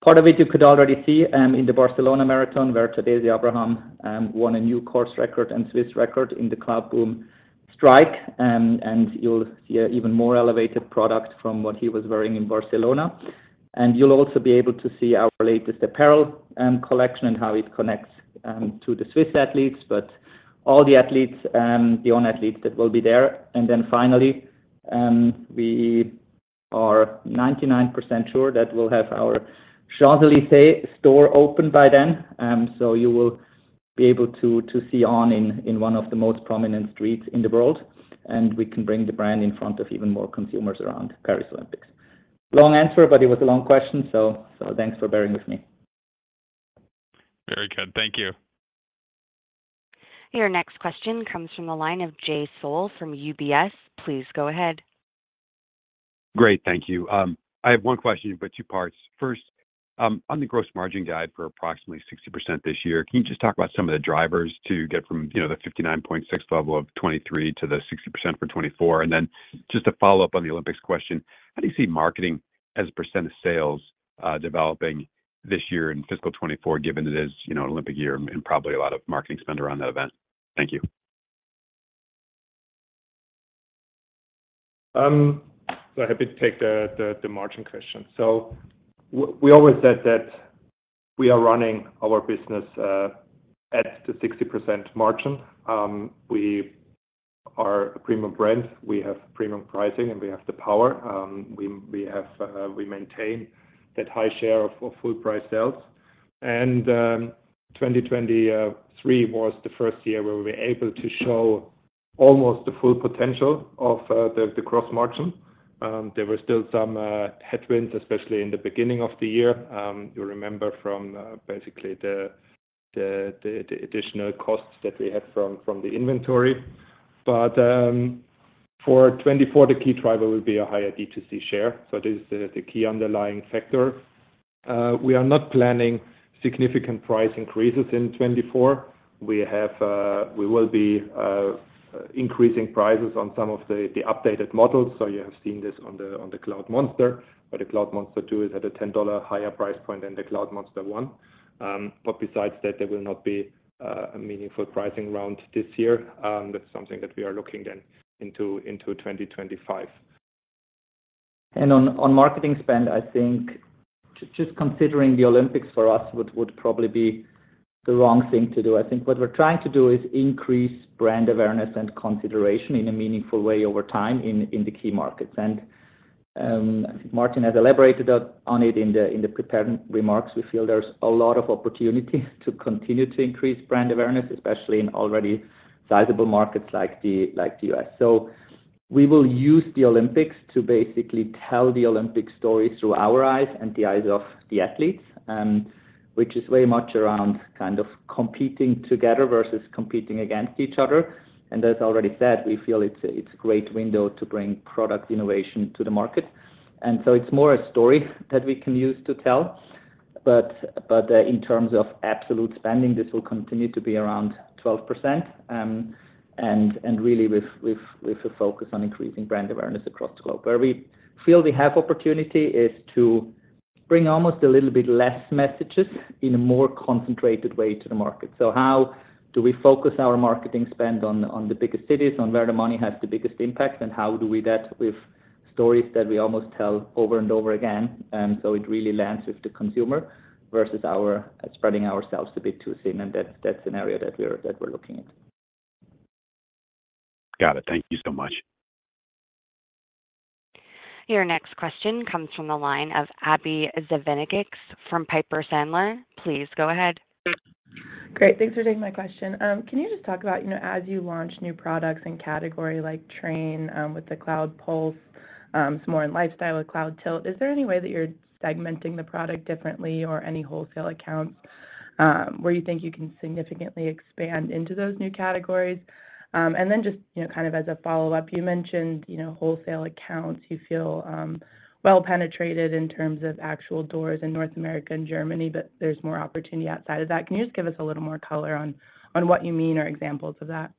Part of it you could already see in the Barcelona Marathon, where Tadej Pogačar won a new course record and Swiss record in the Cloudboom Strike. And you'll see an even more elevated product from what he was wearing in Barcelona. And you'll also be able to see our latest apparel collection and how it connects to the Swiss athletes, but all the athletes, the On athletes that will be there. And then finally, we are 99% sure that we'll have our Champs-Élysées store open by then. So you will be able to see On in one of the most prominent streets in the world, and we can bring the brand in front of even more consumers around Paris Olympics. Long answer, but it was a long question, so thanks for bearing with me. Very good. Thank you. Your next question comes from the line of Jay Sole from UBS. Please go ahead. Great. Thank you. I have one question, but two parts. First, on the gross margin guide for approximately 60% this year, can you just talk about some of the drivers to get from, you know, the 59.6% level of 2023 to the 60% for 2024? And then just to follow up on the Olympics question, how do you see marketing as a percent of sales developing this year in fiscal 2024, given it is, you know, an Olympic year and probably a lot of marketing spend around that event? Thank you. So happy to take the margin question. So we always said that we are running our business at the 60% margin. We are a premium brand, we have premium pricing, and we have the power. We maintain that high share of full price sales. And 2023 was the first year where we were able to show almost the full potential of the gross margin. There were still some headwinds, especially in the beginning of the year. You remember from basically the additional costs that we had from the inventory. But for 2024, the key driver will be a higher D2C share. So this is the key underlying factor. We are not planning significant price increases in 2024. We have... We will be increasing prices on some of the updated models. So you have seen this on the Cloudmonster, where the Cloudmonster 2 is at a $10 higher price point than the Cloudmonster 1. But besides that, there will not be a meaningful pricing round this year. That's something that we are looking then into 2025. On marketing spend, I think just considering the Olympics for us would probably be the wrong thing to do. I think what we're trying to do is increase brand awareness and consideration in a meaningful way over time in the key markets. Martin has elaborated on it in the prepared remarks. We feel there's a lot of opportunity to continue to increase brand awareness, especially in already sizable markets like the U.S. So we will use the Olympics to basically tell the Olympic story through our eyes and the eyes of the athletes, which is very much around kind of competing together versus competing against each other. As already said, we feel it's a great window to bring product innovation to the market. So it's more a story that we can use to tell. In terms of absolute spending, this will continue to be around 12%, and really with a focus on increasing brand awareness across the globe. Where we feel we have opportunity is to bring almost a little bit less messages in a more concentrated way to the market. So how do we focus our marketing spend on the biggest cities, on where the money has the biggest impact, and how do we do that with stories that we almost tell over and over again? And so it really lands with the consumer versus our spreading ourselves a bit too thin, and that's an area that we're looking at. Got it. Thank you so much. Your next question comes from the line of Abbie Zvejnieks from Piper Sandler. Please go ahead. Great, thanks for taking my question. Can you just talk about, you know, as you launch new products in category, like train, with the Cloudpulse, it's more in lifestyle with Cloudtilt, is there any way that you're segmenting the product differently or any wholesale accounts, where you think you can significantly expand into those new categories? And then just, you know, kind of as a follow-up, you mentioned, you know, wholesale accounts, you feel, well penetrated in terms of actual doors in North America and Germany, but there's more opportunity outside of that. Can you just give us a little more color on, on what you mean or examples of that?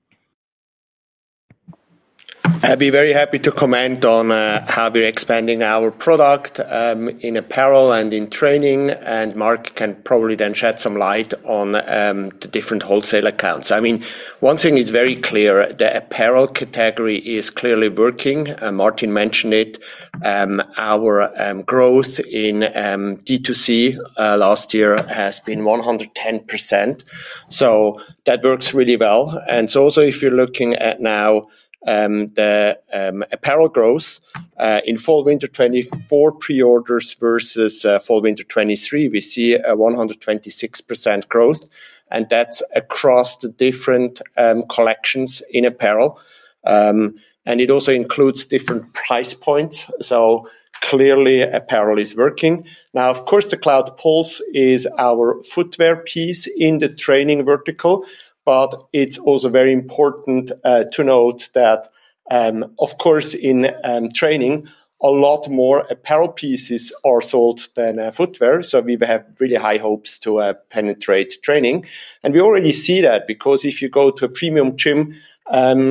I'd be very happy to comment on how we're expanding our product in apparel and in training, and Marc can probably then shed some light on the different wholesale accounts. I mean, one thing is very clear, the apparel category is clearly working, and Martin mentioned it. Our growth in D2C last year has been 110%. So that works really well. So also, if you're looking at now the apparel growth in fall/winter 2024 pre-orders versus fall/winter 2023, we see a 126% growth, and that's across the different collections in apparel. And it also includes different price points, so clearly, apparel is working. Now, of course, the Cloudpulse is our footwear piece in the training vertical, but it's also very important to note that, of course, in training, a lot more apparel pieces are sold than footwear, so we have really high hopes to penetrate training. And we already see that, because if you go to a premium gym in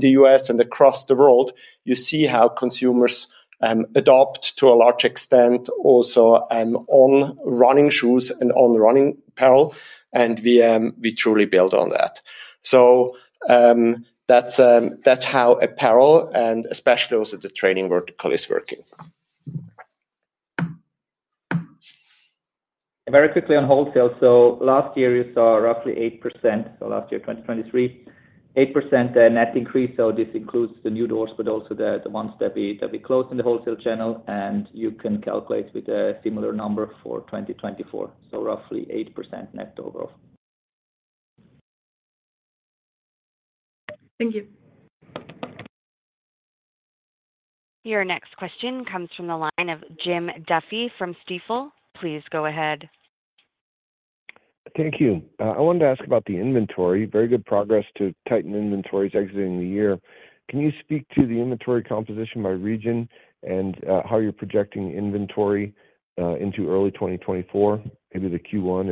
the U.S. and across the world, you see how consumers adopt, to a large extent, also On running shoes and On running apparel, and we truly build on that. So, that's how apparel, and especially also the training vertical, is working. Very quickly on wholesale. So last year, you saw roughly 8%. So last year, 2023, 8%, net increase. So this includes the new doors, but also the, the ones that we, that we closed in the wholesale channel, and you can calculate with a similar number for 2024. So roughly 8% net overall. Thank you. Your next question comes from the line of Jim Duffy from Stifel. Please go ahead. Thank you. I wanted to ask about the inventory. Very good progress to tighten inventories exiting the year. Can you speak to the inventory composition by region and how you're projecting inventory into early 2024, into the Q1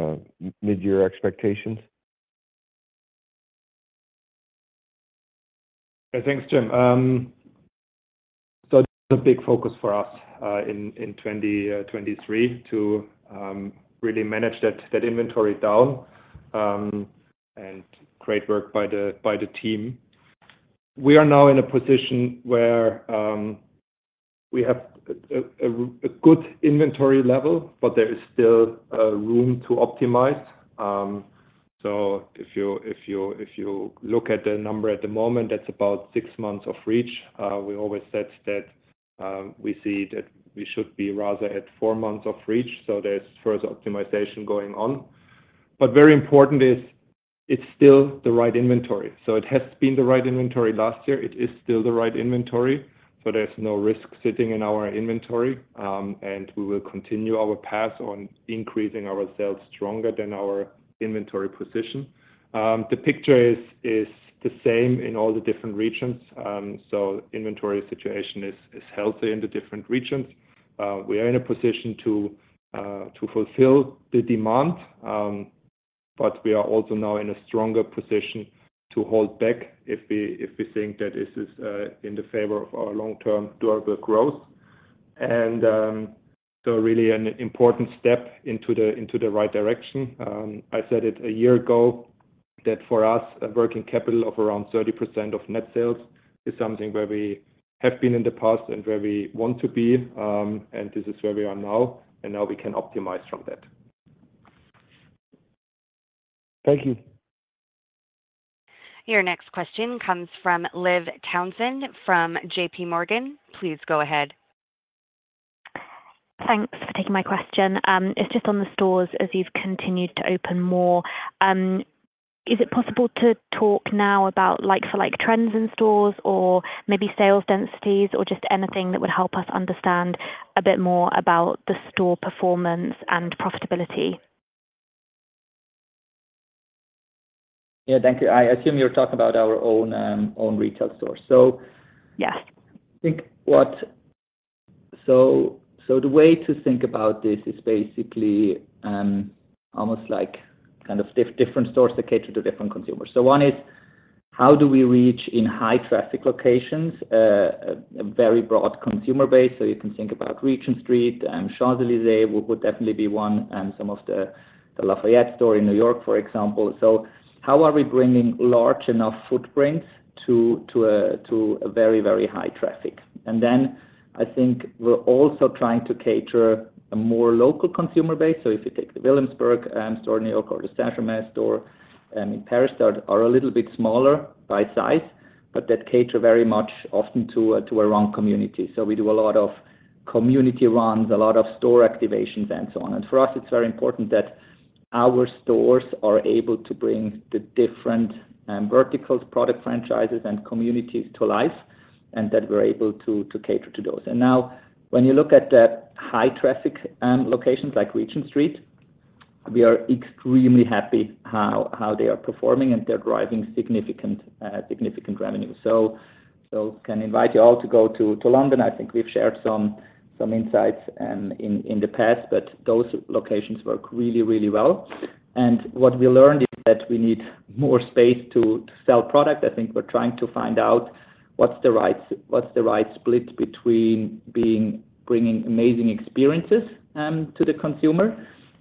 and mid-year expectations? Thanks, Jim. So a big focus for us in 2023 to really manage that inventory down, and great work by the team. We are now in a position where we have a good inventory level, but there is still room to optimize. So if you look at the number at the moment, that's about 6 months of reach. We always said that we see that we should be rather at 4 months of reach, so there's further optimization going on. But very important is it's still the right inventory. So it has been the right inventory last year, it is still the right inventory, so there's no risk sitting in our inventory. And we will continue our path on increasing our sales stronger than our inventory position. The picture is the same in all the different regions. So inventory situation is healthy in the different regions. We are in a position to fulfill the demand, but we are also now in a stronger position to hold back if we think that this is in the favor of our long-term durable growth. So really an important step into the right direction. I said it a year ago, that for us, a working capital of around 30% of net sales is something where we have been in the past and where we want to be, and this is where we are now, and now we can optimize from that. Thank you. Your next question comes from Liv Townsend, from JPMorgan. Please go ahead. Thanks for taking my question. It's just on the stores as you've continued to open more. Is it possible to talk now about like-for-like trends in stores, or maybe sales densities, or just anything that would help us understand a bit more about the store performance and profitability? Yeah, thank you. I assume you're talking about our own retail store. Yes. I think what—So, the way to think about this is basically almost like kind of different stores that cater to different consumers. So one is, how do we reach in high traffic locations a very broad consumer base? So you can think about Regent Street and Champs-Élysées, would definitely be one, and some of the Lafayette store in New York, for example. So how are we bringing large enough footprints to a very, very high traffic? And then I think we're also trying to cater a more local consumer base. So if you take the Williamsburg store in New York or the Saint-Germain store in Paris, are a little bit smaller by size, but that cater very much often to a run community. So we do a lot of community runs, a lot of store activations and so on. And for us, it's very important that our stores are able to bring the different verticals, product franchises, and communities to life, and that we're able to cater to those. And now, when you look at the high traffic locations like Regent Street- We are extremely happy how they are performing, and they're driving significant revenue. So can invite you all to go to London. I think we've shared some insights in the past, but those locations work really, really well. And what we learned is that we need more space to sell product. I think we're trying to find out what's the right split between bringing amazing experiences to the consumer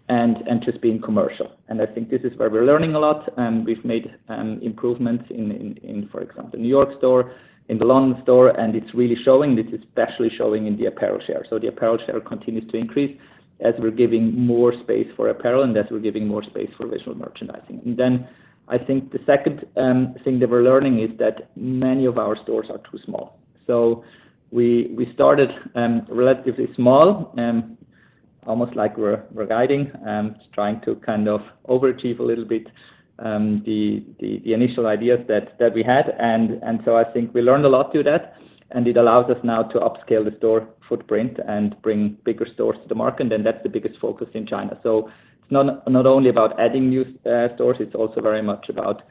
and just being commercial. And I think this is where we're learning a lot, and we've made improvements in, for example, New York store, in the London store, and it's really showing. This is especially showing in the apparel share. So the apparel share continues to increase as we're giving more space for apparel and as we're giving more space for visual merchandising. And then I think the second thing that we're learning is that many of our stores are too small. So we started relatively small, almost like we're guiding and trying to kind of overachieve a little bit, the initial ideas that we had. And so I think we learned a lot through that, and it allows us now to upscale the store footprint and bring bigger stores to the market, and then that's the biggest focus in China. So it's not only about adding new stores, it's also very much about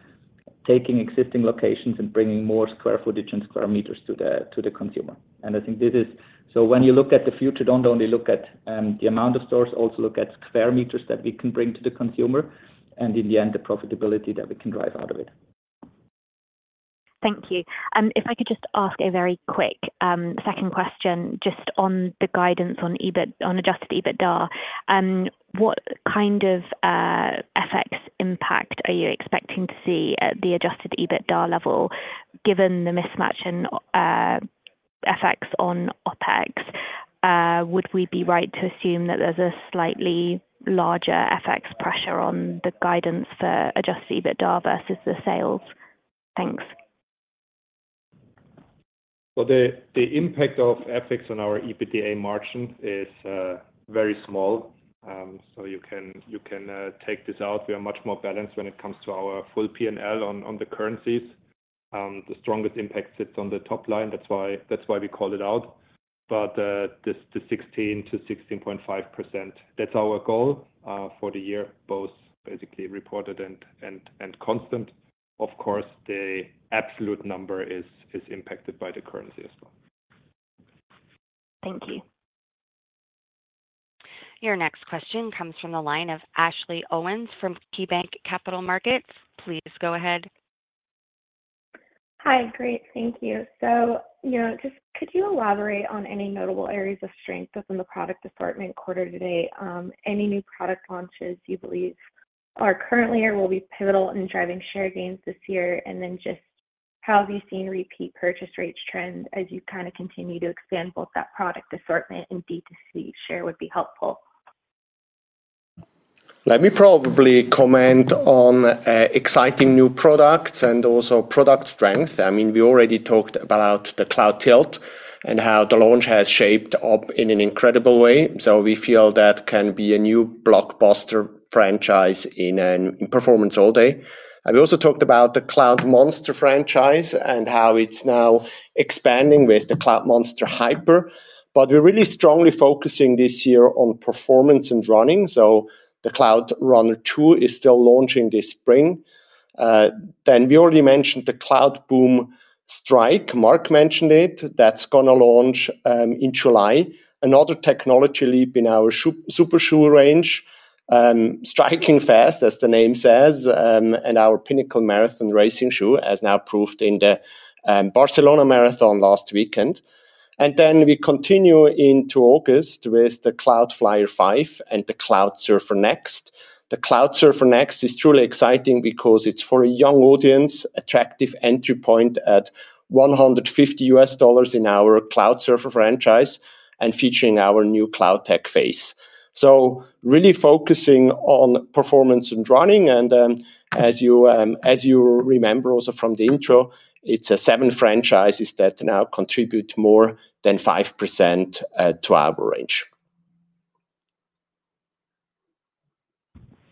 taking existing locations and bringing more square footage and square meters to the consumer. And I think this is... When you look at the future, don't only look at the amount of stores, also look at square meters that we can bring to the consumer, and in the end, the profitability that we can drive out of it. Thank you. If I could just ask a very quick second question, just on the guidance on EBIT, on adjusted EBITDA. What kind of FX impact are you expecting to see at the adjusted EBITDA level, given the mismatch in effects on OpEx? Would we be right to assume that there's a slightly larger FX pressure on the guidance for adjusted EBITDA versus the sales? Thanks. Well, the impact of FX on our EBITDA margin is very small. So you can take this out. We are much more balanced when it comes to our full P&L on the currencies. The strongest impact sits on the top line. That's why we called it out. But this, the 16%-16.5%, that's our goal for the year, both basically reported and constant. Of course, the absolute number is impacted by the currency as well. Thank you. Your next question comes from the line of Ashley Owens from KeyBanc Capital Markets. Please go ahead. Hi. Great. Thank you. So, you know, just could you elaborate on any notable areas of strength within the product assortment quarter to date? Any new product launches you believe are currently or will be pivotal in driving share gains this year? And then just how have you seen repeat purchase rates trend as you kind of continue to expand both that product assortment and D2C share would be helpful. Let me probably comment on exciting new products and also product strength. I mean, we already talked about the Cloudtilt and how the launch has shaped up in an incredible way, so we feel that can be a new blockbuster franchise in a performance all day. And we also talked about the Cloudmonster franchise and how it's now expanding with the Cloudmonster Hyper. But we're really strongly focusing this year on performance and running, so the Cloudrunner 2 is still launching this spring. Then we already mentioned the Cloudboom Strike. Marc mentioned it. That's gonna launch in July. Another technology leap in our shoe, Super Shoe range, striking fast, as the name says, and our pinnacle marathon racing shoe, as now proved in the Barcelona Marathon last weekend. And then we continue into August with the Cloudflyer 5 and the Cloudsurfer Next. The Cloudsurfer Next is truly exciting because it's for a young audience, attractive entry point at $150 in our Cloudsurfer franchise and featuring our new CloudTec Phase. So really focusing on performance and running, and then as you remember also from the intro, it's seven franchises that now contribute more than 5% to our range.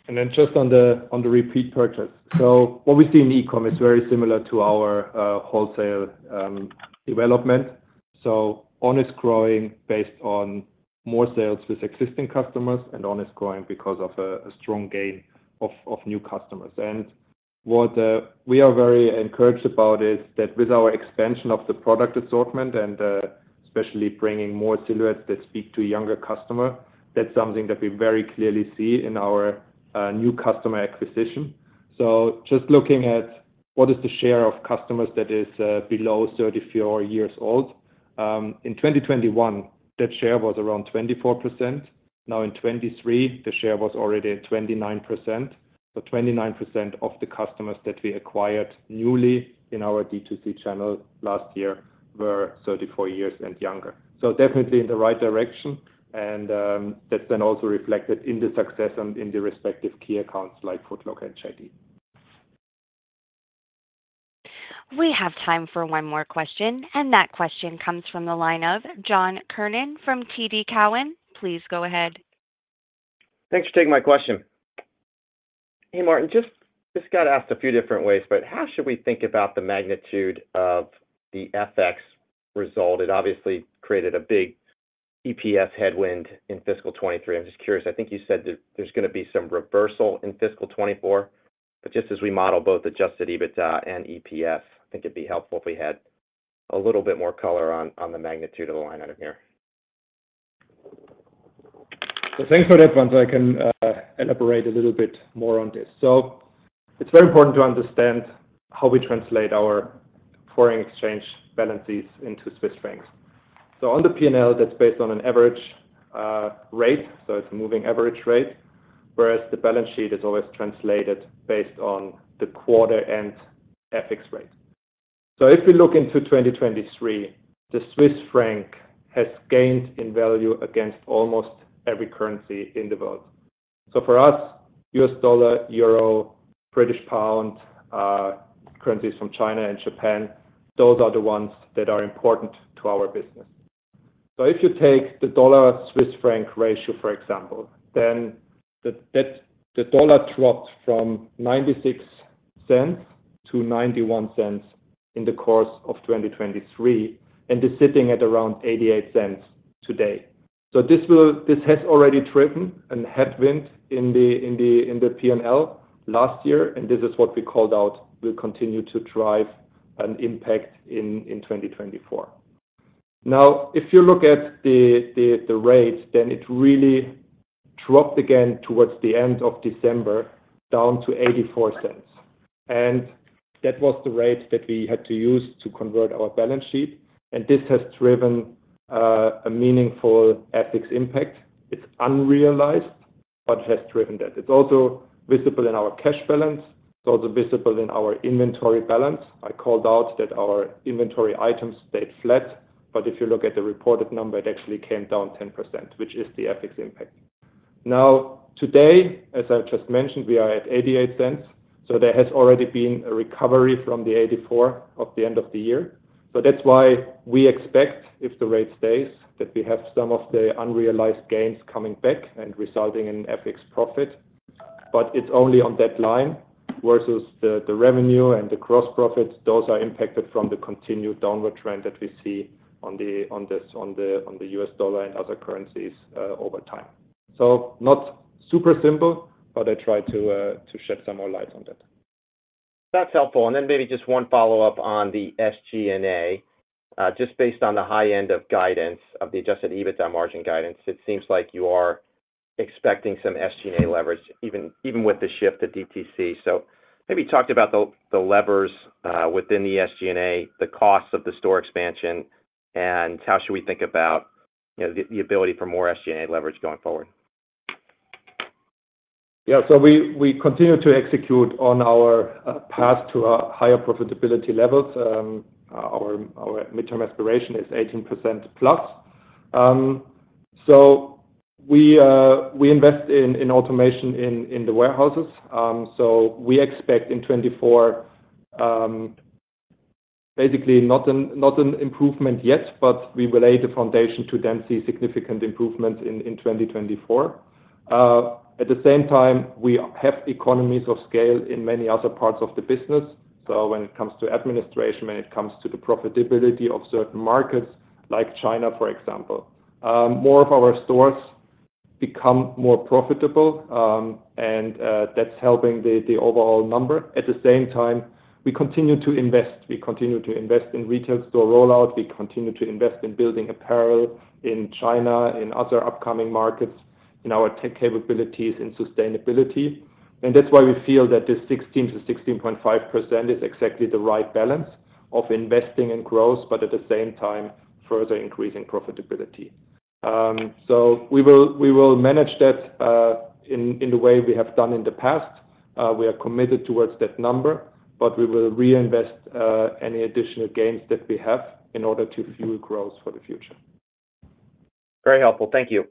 And then just on the repeat purchase. So what we see in e-com is very similar to our wholesale development. So one is growing based on more sales with existing customers, and one is growing because of a strong gain of new customers. And what we are very encouraged about is that with our expansion of the product assortment and especially bringing more silhouettes that speak to a younger customer, that's something that we very clearly see in our new customer acquisition. So just looking at what is the share of customers that is below 34 years old in 2021, that share was around 24%. Now, in 2023, the share was already at 29%. So 29% of the customers that we acquired newly in our D2C channel last year were 34 years and younger. So definitely in the right direction, and that's then also reflected in the success and in the respective key accounts like Foot Locker and JD. We have time for one more question, and that question comes from the line of John Kernan from TD Cowen. Please go ahead. Thanks for taking my question. Hey, Martin, just, this got asked a few different ways, but how should we think about the magnitude of the FX result? It obviously created a big EPS headwind in fiscal 2023. I'm just curious. I think you said that there's gonna be some reversal in fiscal 2024, but just as we model both adjusted EBITDA and EPS, I think it'd be helpful if we had a little bit more color on the magnitude of the line item here. So thanks for that one. So I can elaborate a little bit more on this. So it's very important to understand how we translate our foreign exchange balances into Swiss francs. So on the P&L, that's based on an average rate, so it's a moving average rate, whereas the balance sheet is always translated based on the quarter-end FX rate. So if we look into 2023, the Swiss franc has gained in value against almost every currency in the world. So for us, U.S. dollar, euro, British pound, currencies from China and Japan, those are the ones that are important to our business. So if you take the dollar-Swiss franc ratio, for example, then the dollar dropped from 0.96 to 0.91 in the course of 2023, and is sitting at around 0.88 today. This has already driven a headwind in the P&L last year, and this is what we called out will continue to drive an impact in 2024. Now, if you look at the rate, then it really dropped again towards the end of December, down to 0.84. And that was the rate that we had to use to convert our balance sheet, and this has driven a meaningful FX impact. It's unrealized, but it has driven that. It's also visible in our cash balance. It's also visible in our inventory balance. I called out that our inventory items stayed flat, but if you look at the reported number, it actually came down 10%, which is the FX impact. Now, today, as I just mentioned, we are at 0.88, so there has already been a recovery from the 0.84 of the end of the year. That's why we expect, if the rate stays, that we have some of the unrealized gains coming back and resulting in FX profit. But it's only on that line versus the revenue and the gross profits. Those are impacted from the continued downward trend that we see on the U.S. dollar and other currencies over time. So not super simple, but I tried to shed some more light on that. That's helpful. Then maybe just one follow-up on the SG&A. Just based on the high end of guidance of the adjusted EBITDA margin guidance, it seems like you are expecting some SG&A leverage, even, even with the shift to DTC. So maybe talk about the levers within the SG&A, the costs of the store expansion, and how should we think about, you know, the ability for more SG&A leverage going forward? Yeah, so we continue to execute on our path to higher profitability levels. Our midterm aspiration is 18%+. So we invest in automation in the warehouses. So we expect in 2024, basically not an improvement yet, but we will lay the foundation to then see significant improvements in 2024. At the same time, we have economies of scale in many other parts of the business. So when it comes to administration, when it comes to the profitability of certain markets like China, for example, more of our stores become more profitable, and that's helping the overall number. At the same time, we continue to invest. We continue to invest in retail store rollout. We continue to invest in building apparel in China, in other upcoming markets, in our tech capabilities, in sustainability. And that's why we feel that this 16%-16.5% is exactly the right balance of investing in growth, but at the same time, further increasing profitability. So we will, we will manage that, in, in the way we have done in the past. We are committed towards that number, but we will reinvest, any additional gains that we have in order to fuel growth for the future. Very helpful. Thank you.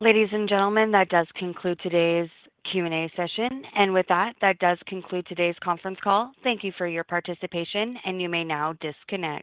Ladies and gentlemen, that does conclude today's Q&A session. And with that, that does conclude today's conference call. Thank you for your participation, and you may now disconnect.